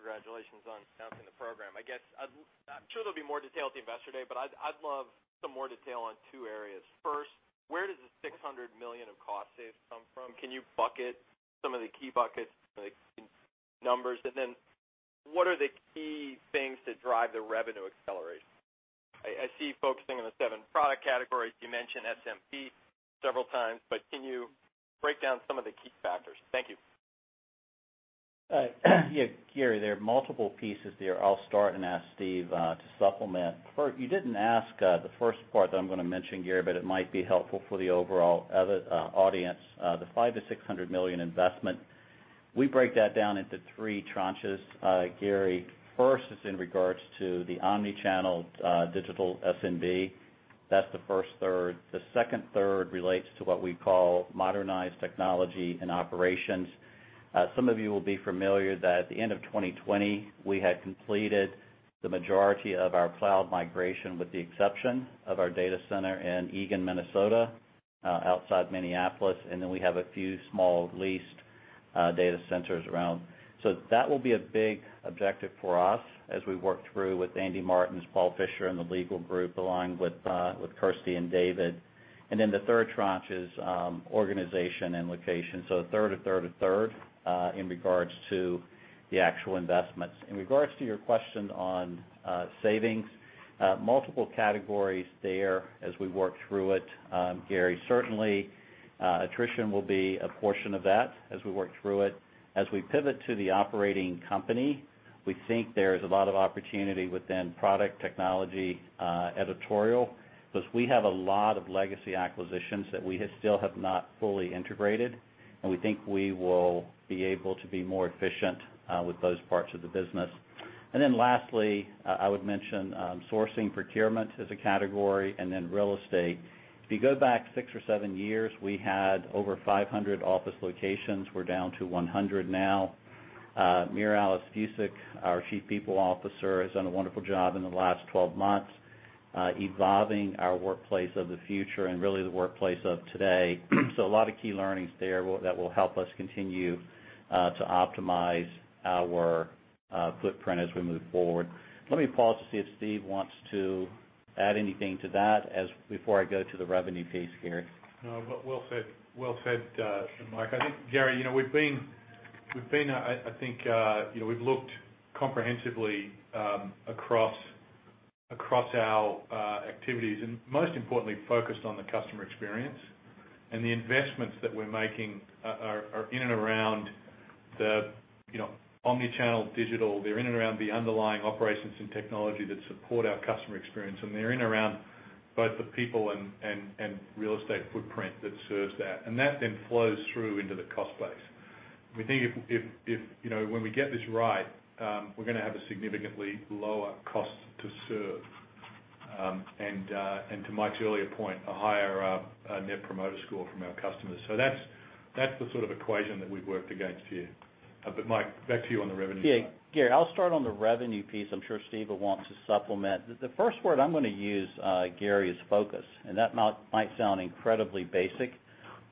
congratulations on announcing the program. I'm sure there'll be more detail at the Investor Day, but I'd love some more detail on two areas. First, where does the $600 million of cost savings come from? Can you bucket some of the key buckets, the numbers? And then what are the key things to drive the revenue acceleration? I see focusing on the seven product categories. You mentioned SMB several times, but can you break down some of the key factors? Thank you. Yeah, Gary, there are multiple pieces there. I'll start and ask Steve to supplement. You didn't ask the first part that I'm going to mention, Gary, but it might be helpful for the overall audience. The 5% to $600 million investment, we break that down into three tranches, Gary. First is in regards to the omnichannel digital SMB. That's the first third. The second third relates to what we call modernized technology and operations. Some of you will be familiar that at the end of 2020, we had completed the majority of our cloud migration with the exception of our data center in Eagan, Minnesota, outside Minneapolis. Then we have a few small leased data centers around. So that will be a big objective for us as we work through with Andy Martens, Paul Fischer, and the legal group, along with Kirsty and David. And then the third tranche is organization and location. So third in regards to the actual investments. In regards to your question on savings, multiple categories there as we work through it, Gary. Certainly, attrition will be a portion of that as we work through it. As we pivot to the operating company, we think there is a lot of opportunity within product technology editorial because we have a lot of legacy acquisitions that we still have not fully integrated. And we think we will be able to be more efficient with those parts of the business. And then lastly, I would mention sourcing procurement as a category. And then real estate. If you go back six or seven years, we had over 500 office locations. We're down to 100 now. Mary Alice Vuicic, our Chief People Officer, has done a wonderful job in the last 12 months evolving our workplace of the future and really the workplace of today. So a lot of key learnings there that will help us continue to optimize our footprint as we move forward. Let me pause to see if Steve wants to add anything to that before I go to the revenue piece, Gary. No, well said, Mike. I think, Gary, we've looked comprehensively across our activities and most importantly, focused on the customer experience, and the investments that we're making are in and around the omnichannel digital. They're in and around the underlying operations and technology that support our customer experience, and they're in and around both the people and real estate footprint that serves that, and that then flows through into the cost base. We think if when we get this right, we're going to have a significantly lower cost to serve, and to Mike's earlier point, a higher Net Promoter Score from our customers, so that's the sort of equation that we've worked against here, but Mike, back to you on the revenue side. Yeah, Gary, I'll start on the revenue piece. I'm sure Steve will want to supplement. The first word I'm going to use, Gary, is focus, and that might sound incredibly basic,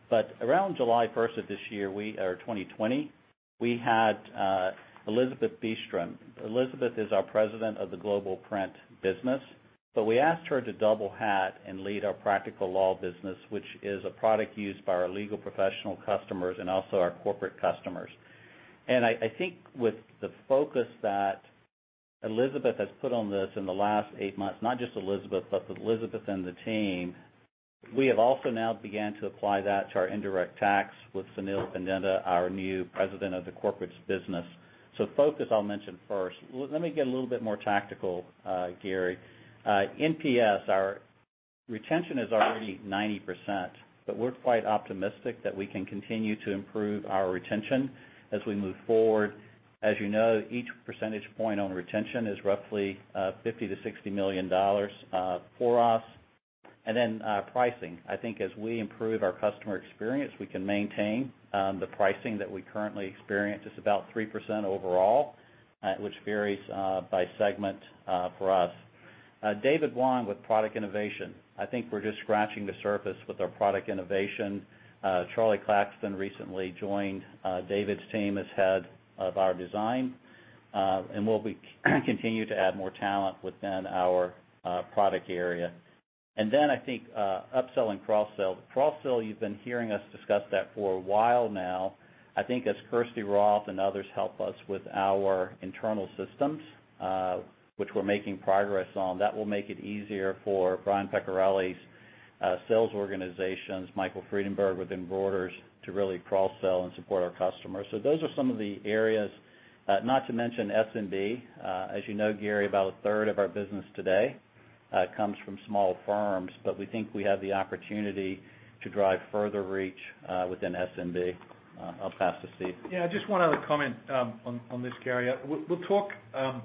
but around July 1st of this year, or 2020, we had Elizabeth Beastrom. Elizabeth is our President of the Global Print business. But we asked her to double hat and lead our Practical Law business, which is a product used by our legal professional customers and also our corporate customers, and I think with the focus that Elizabeth has put on this in the last eight months, not just Elizabeth, but Elizabeth and the team, we have also now began to apply that to our Indirect Tax with Sunil Pandita, our new President of the Corporates business, so focus, I'll mention first. Let me get a little bit more tactical, Gary. NPS, our retention is already 90%, but we're quite optimistic that we can continue to improve our retention as we move forward. As you know, each percentage point on retention is roughly $50 million-$60 million for us. And then pricing. I think as we improve our customer experience, we can maintain the pricing that we currently experience. It's about 3% overall, which varies by segment for us. David Wong with product innovation. I think we're just scratching the surface with our product innovation. Charlie Claxton recently joined David's team as head of our design. And we'll continue to add more talent within our product area. And then I think upsell and cross-sell. Cross-sell, you've been hearing us discuss that for a while now. I think as Kirsty Roth and others help us with our internal systems, which we're making progress on, that will make it easier for Brian Peccarelli's sales organizations, Michael Friedenberg within Reuters to really cross-sell and support our customers, so those are some of the areas, not to mention SMB. As you know, Gary, about a third of our business today comes from small firms. But we think we have the opportunity to drive further reach within SMB. I'll pass to Steve. Yeah, I just want to comment on this, Gary. We'll talk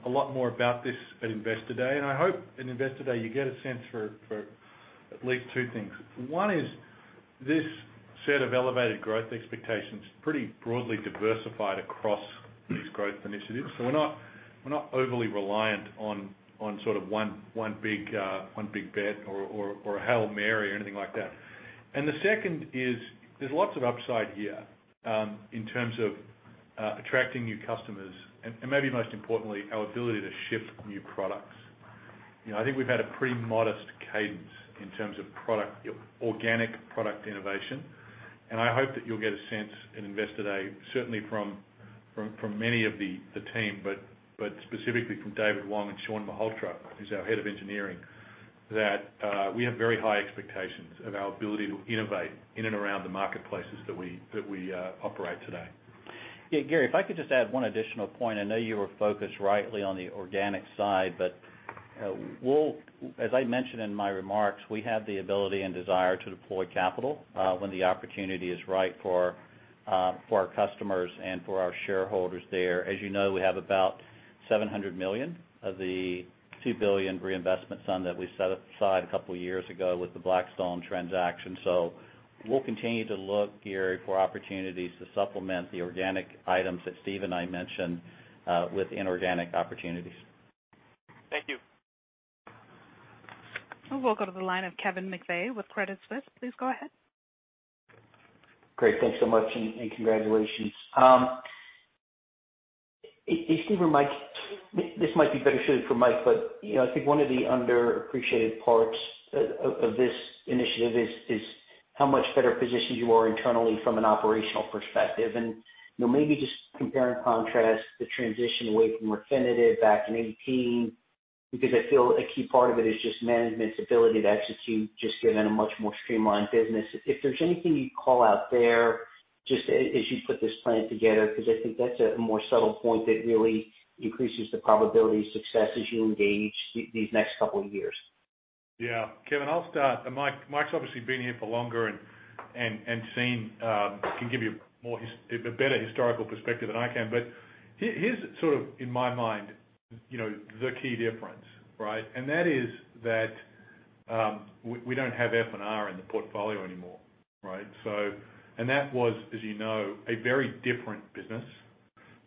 a lot more about this at Investor Day, and I hope at Investor Day you get a sense for at least two things. One is this set of elevated growth expectations is pretty broadly diversified across these growth initiatives, so we're not overly reliant on sort of one big bet or a Hail Mary or anything like that, and the second is there's lots of upside here in terms of attracting new customers and maybe most importantly, our ability to shift new products. I think we've had a pretty modest cadence in terms of organic product innovation. I hope that you'll get a sense at Investor Day, certainly from many of the team, but specifically from David Wong and Shawn Malhotra, who's our head of engineering, that we have very high expectations of our ability to innovate in and around the marketplaces that we operate today. Yeah, Gary, if I could just add one additional point. I know you were focused rightly on the organic side, but as I mentioned in my remarks, we have the ability and desire to deploy capital when the opportunity is right for our customers and for our shareholders there. As you know, we have about $700 million of the $2 billion reinvestment sum that we set aside a couple of years ago with the Blackstone transaction. So we'll continue to look, Gary, for opportunities to supplement the organic items that Steve and I mentioned with inorganic opportunities. Thank you. We'll go to the line of Kevin McVey with Credit Suisse. Please go ahead. Great. Thanks so much and congratulations. Hey, Steve, or Mike, this might be better suited for Mike, but I think one of the underappreciated parts of this initiative is how much better positioned you are internally from an operational perspective. And maybe just compare and contrast the transition away from Refinitiv back in 2018 because I feel a key part of it is just management's ability to execute just given a much more streamlined business. If there's anything you'd call out there just as you put this plan together because I think that's a more subtle point that really increases the probability of success as you engage these next couple of years? Yeah. Kevin, I'll start. And Mike, Mike's obviously been here for longer and can give you a better historical perspective than I can. But here's sort of, in my mind, the key difference, right? And that is that we don't have F&R in the portfolio anymore, right? And that was, as you know, a very different business.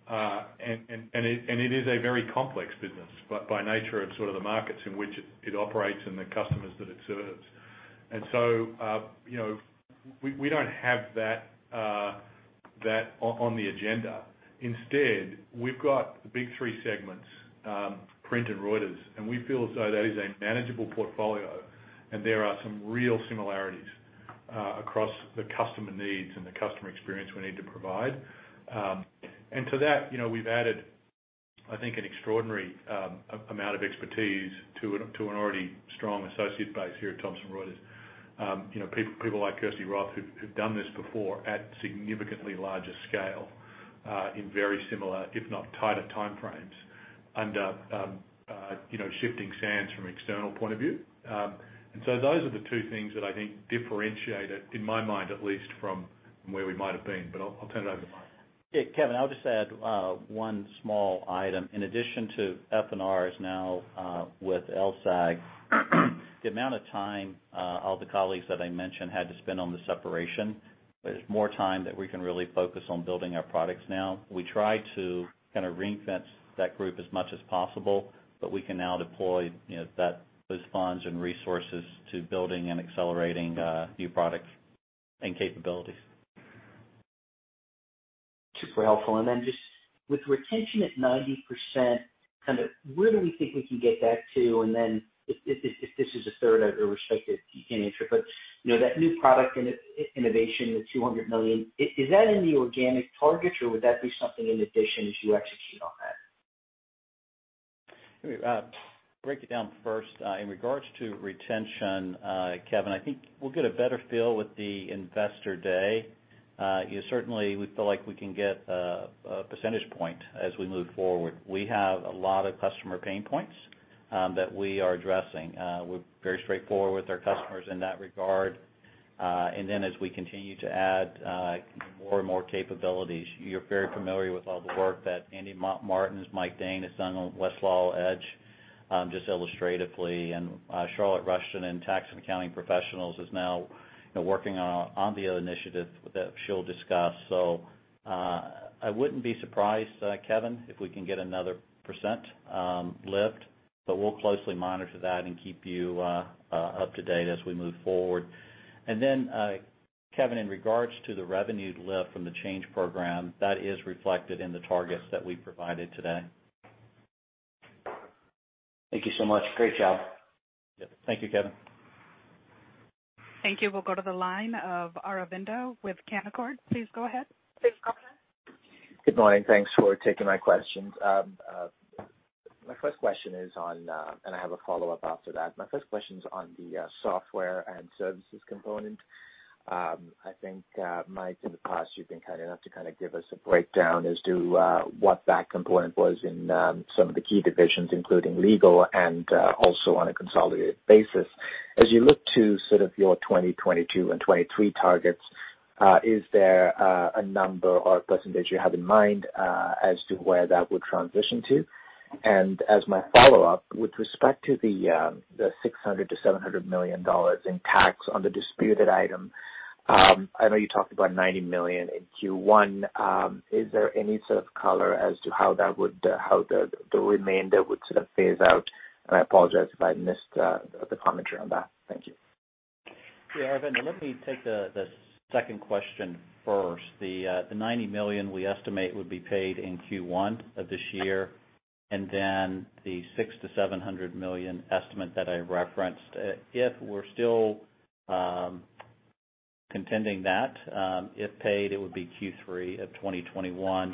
And it is a very complex business by nature of sort of the markets in which it operates and the customers that it serves. And so we don't have that on the agenda. Instead, we've got the big three segments, print and Reuters. And we feel as though that is a manageable portfolio. And there are some real similarities across the customer needs and the customer experience we need to provide. And to that, we've added, I think, an extraordinary amount of expertise to an already strong associate base here at Thomson Reuters. People like Kirsty Roth have done this before at significantly larger scale in very similar, if not tighter timeframes, under shifting sands from an external point of view. And so those are the two things that I think differentiate it, in my mind at least, from where we might have been. But I'll turn it over to Mike. Yeah, Kevin, I'll just add one small item. In addition to F&R now being with LSEG, the amount of time all the colleagues that I mentioned had to spend on the separation, there's more time that we can really focus on building our products now. We try to kind of ring-fence that group as much as possible, but we can now deploy those funds and resources to building and accelerating new products and capabilities. Super helpful. And then just with retention at 90%, kind of where do we think we can get that to? And then if this is a third, I respect that you can't answer it. But that new product innovation, the $200 million, is that in the organic targets or would that be something in addition as you execute on that? Let me break it down first. In regards to retention, Kevin, I think we'll get a better feel with the Investor Day. Certainly, we feel like we can get a percentage point as we move forward. We have a lot of customer pain points that we are addressing. We're very straightforward with our customers in that regard. And then as we continue to add more and more capabilities, you're very familiar with all the work that Andy Martins, Mike Dahn has done on Westlaw Edge, just illustratively. And Charlotte Rushton in Tax and Accounting Professionals is now working on the initiative that she'll discuss. So I wouldn't be surprised, Kevin, if we can get another % lift. But we'll closely monitor that and keep you up to date as we move forward. Kevin, in regards to the revenue lift from the change program, that is reflected in the targets that we provided today. Thank you so much. Great job. Yep. Thank you, Kevin. Thank you. We'll go to the line of Aravinda with Canaccord Genuity. Please go ahead. Please go ahead. Good morning. Thanks for taking my questions. My first question is on, and I have a follow-up after that. My first question is on the software and services component. I think, Mike, in the past, you've been kind enough to kind of give us a breakdown as to what that component was in some of the key divisions, including legal and also on a consolidated basis. As you look to sort of your 2022 and 2023 targets, is there a number or a percentage you have in mind as to where that would transition to? And as my follow-up, with respect to the $600 million-$700 million in tax on the disputed item, I know you talked about $90 million in Q1. Is there any sort of color as to how the remainder would sort of phase out? And I apologize if I missed the commentary on that. Thank you. Yeah, Arvinda, let me take the second question first. The $90 million we estimate would be paid in Q1 of this year. And then the $600 million-$700 million estimate that I referenced, if we're still contending that, if paid, it would be Q3 of 2021.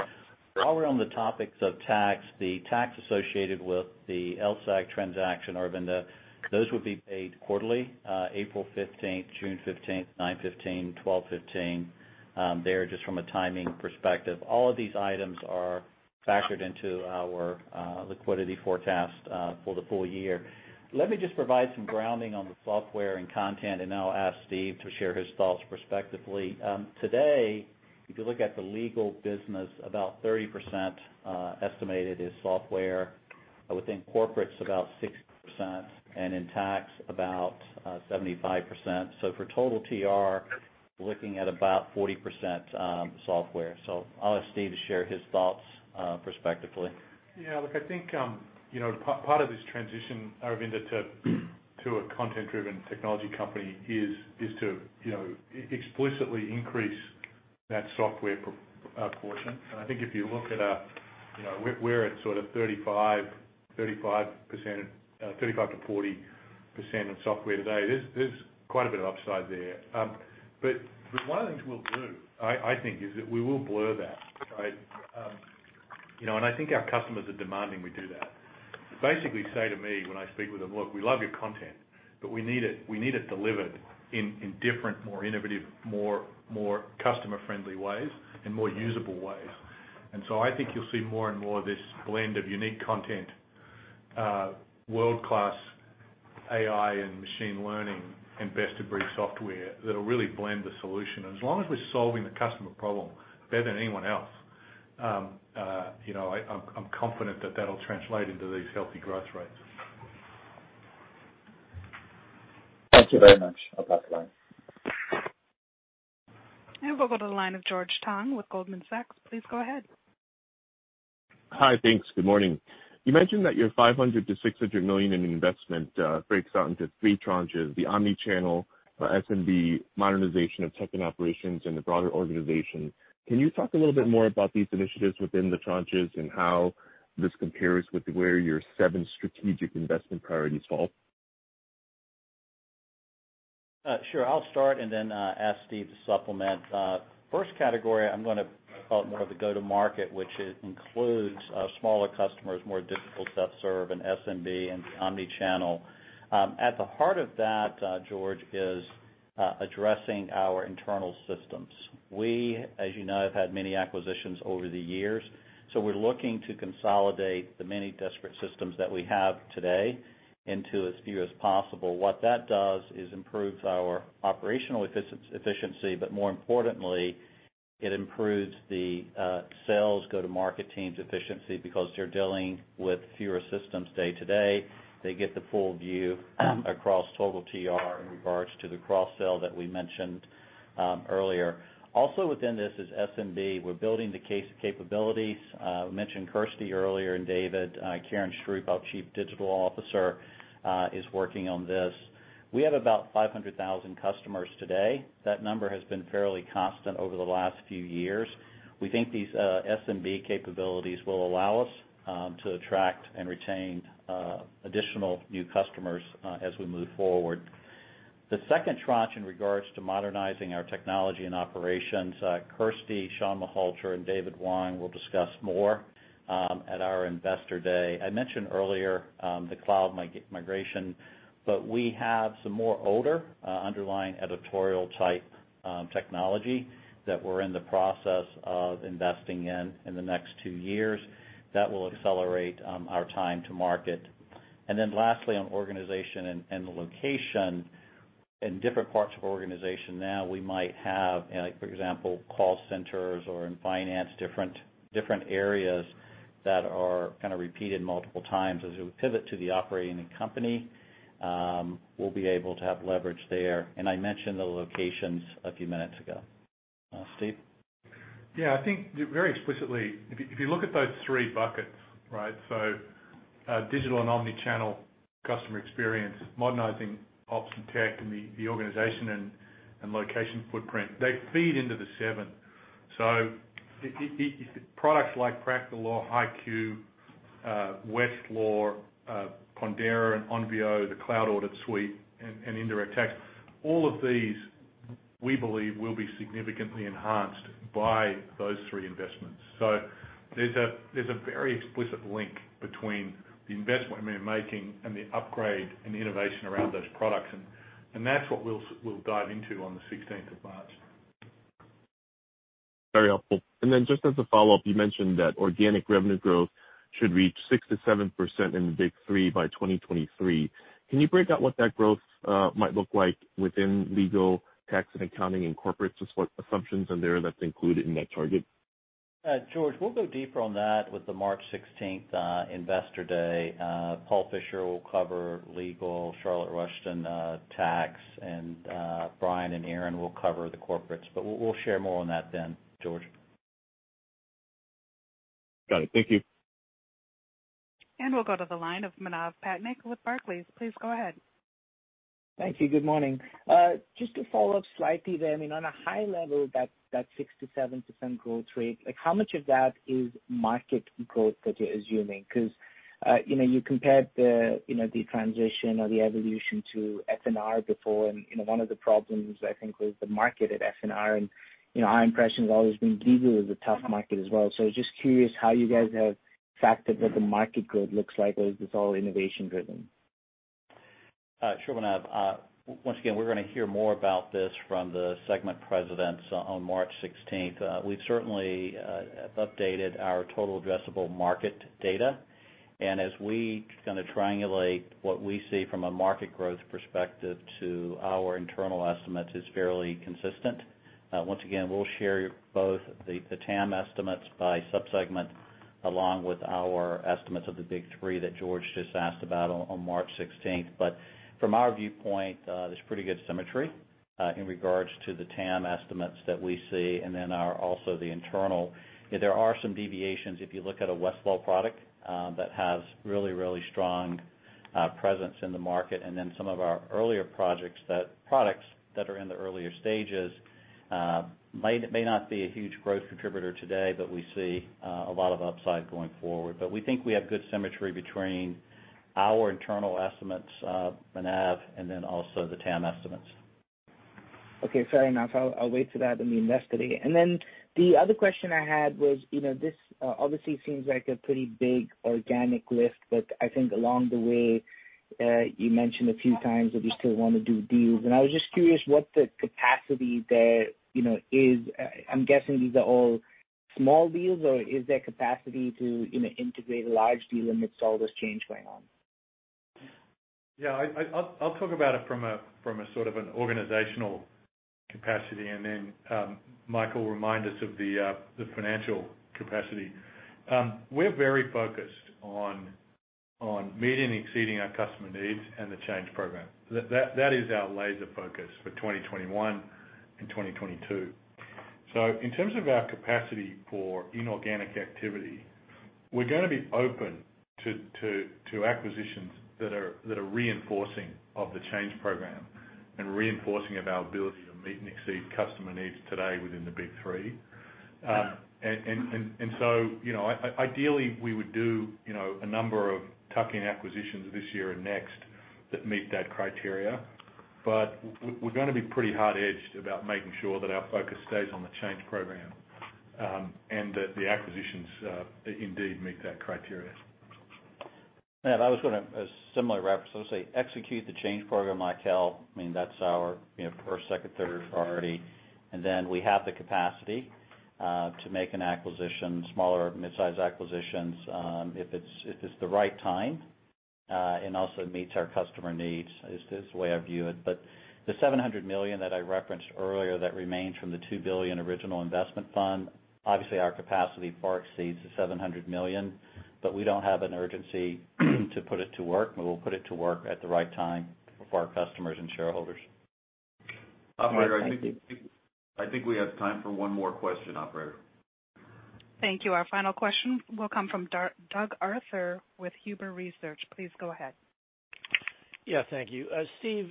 While we're on the topics of tax, the tax associated with the LSEG transaction, Arvindo, those would be paid quarterly, April 15th, June 15th, 9/15, 12/15, there just from a timing perspective. All of these items are factored into our liquidity forecast for the full year. Let me just provide some grounding on the software and content, and I'll ask Steve to share his thoughts prospectively. Today, if you look at the legal business, about 30% estimated is software. Within corporates, about 60%. And in tax, about 75%. So for total TR, we're looking at about 40% software. So I'll ask Steve to share his thoughts prospectively. Yeah. Look, I think part of this transition, Aravinda, to a content-driven technology company is to explicitly increase that software portion. And I think if you look at where it's sort of 35%-40% of software today, there's quite a bit of upside there. But one of the things we'll do, I think, is that we will blur that. And I think our customers are demanding we do that. Basically say to me when I speak with them, "Look, we love your content, but we need it delivered in different, more innovative, more customer-friendly ways, and more usable ways." And so I think you'll see more and more of this blend of unique content, world-class AI and machine learning, and best-of-breed software that will really blend the solution. As long as we're solving the customer problem better than anyone else, I'm confident that that'll translate into these healthy growth rates. Thank you very much. I'll pass the line. We'll go to the line of George Tong with Goldman Sachs. Please go ahead. Hi, thanks. Good morning. You mentioned that your $500-$600 million in investment breaks out into three tranches: the omnichannel, SMB, modernization of tech and operations, and the broader organization. Can you talk a little bit more about these initiatives within the tranches and how this compares with where your seven strategic investment priorities fall? Sure. I'll start and then ask Steve to supplement. First category, I'm going to call it more of the go-to-market, which includes smaller customers, more difficult stuff served, and SMB and the omnichannel. At the heart of that, George, is addressing our internal systems. We, as you know, have had many acquisitions over the years. So we're looking to consolidate the many disparate systems that we have today into as few as possible. What that does is improves our operational efficiency, but more importantly, it improves the sales go-to-market team's efficiency because they're dealing with fewer systems day to day. They get the full view across total TR in regards to the cross-sale that we mentioned earlier. Also within this is SMB. We're building the capabilities. I mentioned Kirsty earlier and David. Karen Stroup, our Chief Digital Officer, is working on this. We have about 500,000 customers today. That number has been fairly constant over the last few years. We think these SMB capabilities will allow us to attract and retain additional new customers as we move forward. The second tranche in regards to modernizing our technology and operations, Kirsty, Shawn Malhotra, and David Wong will discuss more at our Investor Day. I mentioned earlier the cloud migration, but we have some more older underlying editorial-type technology that we're in the process of investing in in the next two years. That will accelerate our time to market. And then lastly, on organization and location, in different parts of organization now, we might have, for example, call centers or in finance, different areas that are kind of repeated multiple times. As we pivot to the operating company, we'll be able to have leverage there. And I mentioned the locations a few minutes ago. Steve? Yeah. I think very explicitly, if you look at those three buckets, right? So digital and omnichannel customer experience, modernizing ops and tech, and the organization and location footprint, they feed into the seven. So products like Practical Law, HighQ, Westlaw, CoCounsel and Onvio, the Cloud Audit Suite, and Indirect Tax, all of these we believe will be significantly enhanced by those three investments. So there's a very explicit link between the investment we're making and the upgrade and innovation around those products. And that's what we'll dive into on the 16th of March. Very helpful. And then just as a follow-up, you mentioned that organic revenue growth should reach 6%-7% in the big three by 2023. Can you break out what that growth might look like within legal, tax, and accounting and corporate? Just what assumptions are there that's included in that target? George, we'll go deeper on that with the March 16th Investor Day. Paul Fischer will cover legal, Charlotte Rushton tax, and Brian and Aaron will cover the corporates. But we'll share more on that then, George. Got it. Thank you. We'll go to the line of Manav Patnaik with Barclays. Please go ahead. Thank you. Good morning. Just to follow up slightly there. I mean, on a high level, that 6%-7% growth rate, how much of that is market growth that you're assuming? Because you compared the transition or the evolution to F&R before, and one of the problems, I think, was the market at F&R. And our impression has always been legal is a tough market as well. So just curious how you guys have factored what the market growth looks like or is this all innovation-driven? Sure, Manav. Once again, we're going to hear more about this from the segment presidents on March 16th. We've certainly updated our total addressable market data, and as we kind of triangulate what we see from a market growth perspective to our internal estimates, it's fairly consistent. Once again, we'll share both the TAM estimates by subsegment along with our estimates of the big three that George just asked about on March 16th, but from our viewpoint, there's pretty good symmetry in regards to the TAM estimates that we see and then also the internal. There are some deviations if you look at a Westlaw product that has really, really strong presence in the market, and then some of our earlier products that are in the earlier stages may not be a huge growth contributor today, but we see a lot of upside going forward. But we think we have good symmetry between our internal estimates, Manav, and then also the TAM estimates. Okay. Fair enough. I'll wait for that in the Investor Day, and then the other question I had was this obviously seems like a pretty big organic lift, but I think along the way, you mentioned a few times that you still want to do deals, and I was just curious what the capacity there is. I'm guessing these are all small deals, or is there capacity to integrate a large deal amidst all this change going on? Yeah. I'll talk about it from sort of an organizational capacity, and then Michael reminded us of the financial capacity. We're very focused on meeting and exceeding our customer needs and the change program. That is our laser focus for 2021 and 2022. So in terms of our capacity for inorganic activity, we're going to be open to acquisitions that are reinforcing of the change program and reinforcing of our ability to meet and exceed customer needs today within the big three. And so ideally, we would do a number of tuck-in acquisitions this year and next that meet that criteria. But we're going to be pretty hard-edged about making sure that our focus stays on the change program and that the acquisitions indeed meet that criteria. Yeah. That was going to a similar reference. I would say execute the change program like hell. I mean, that's our first, second, third priority. And then we have the capacity to make an acquisition, smaller, midsize acquisitions if it's the right time and also meets our customer needs. It's the way I view it. But the $700 million that I referenced earlier that remains from the $2 billion original investment fund, obviously our capacity far exceeds the $700 million, but we don't have an urgency to put it to work. We will put it to work at the right time for our customers and shareholders. Operator, I think we have time for one more question, operator. Thank you. Our final question will come from Doug Arthur with Huber Research. Please go ahead. Yeah. Thank you. Steve,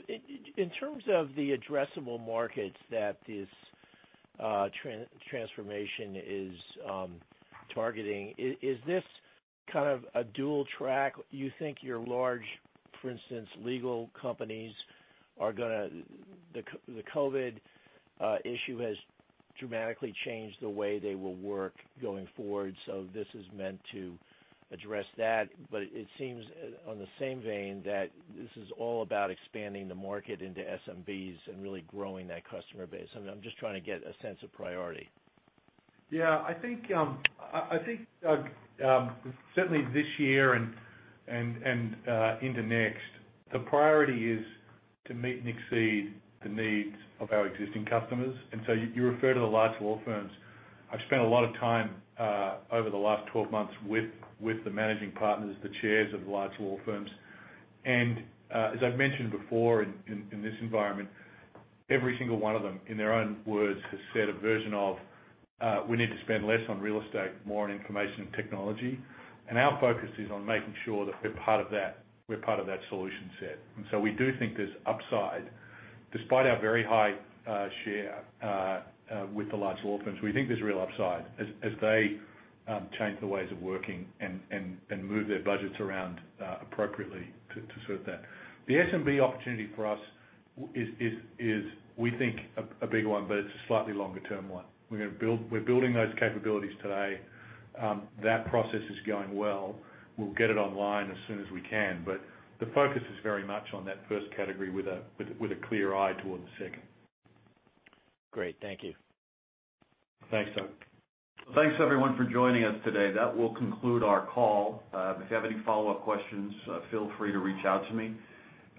in terms of the addressable markets that this transformation is targeting, is this kind of a dual track? You think your large, for instance, legal companies are going to the COVID issue has dramatically changed the way they will work going forward. So this is meant to address that. But it seems on the same vein that this is all about expanding the market into SMBs and really growing that customer base. I'm just trying to get a sense of priority. Yeah. I think certainly this year and into next, the priority is to meet and exceed the needs of our existing customers. And so you refer to the large law firms. I've spent a lot of time over the last 12 months with the managing partners, the chairs of the large law firms. And as I've mentioned before in this environment, every single one of them, in their own words, has said a version of, "We need to spend less on real estate, more on information and technology." And our focus is on making sure that we're part of that solution set. And so we do think there's upside. Despite our very high share with the large law firms, we think there's real upside as they change the ways of working and move their budgets around appropriately to serve that. The SMB opportunity for us is, we think, a bigger one, but it's a slightly longer-term one. We're building those capabilities today. That process is going well. We'll get it online as soon as we can. But the focus is very much on that first category with a clear eye toward the second. Great. Thank you. Thanks, Doug. Thanks, everyone, for joining us today. That will conclude our call. If you have any follow-up questions, feel free to reach out to me.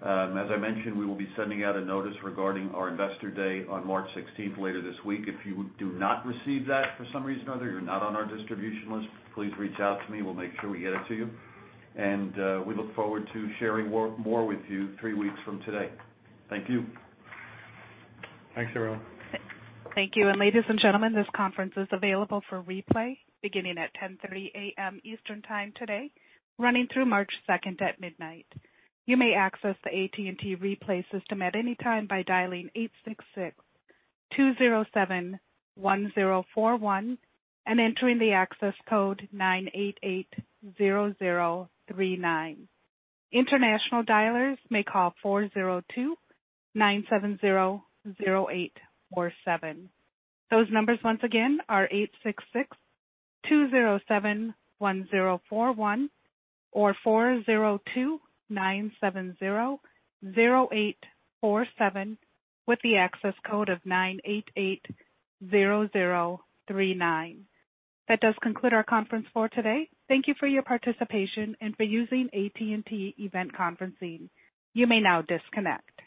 As I mentioned, we will be sending out a notice regarding our Investor Day on March 16th later this week. If you do not receive that for some reason or other, you're not on our distribution list, please reach out to me. We'll make sure we get it to you. And we look forward to sharing more with you three weeks from today. Thank you. Thanks, everyone. Thank you. And ladies and gentlemen, this conference is available for replay beginning at 10:30 A.M. Eastern Time today, running through March 2nd at midnight. You may access the AT&T replay system at any time by dialing 866-207-1041 and entering the access code 9880039. International dialers may call 402-970-0847. Those numbers, once again, are 866-207-1041 or 402-970-0847 with the access code of 9880039. That does conclude our conference for today. Thank you for your participation and for using AT&T Event Conferencing. You may now disconnect.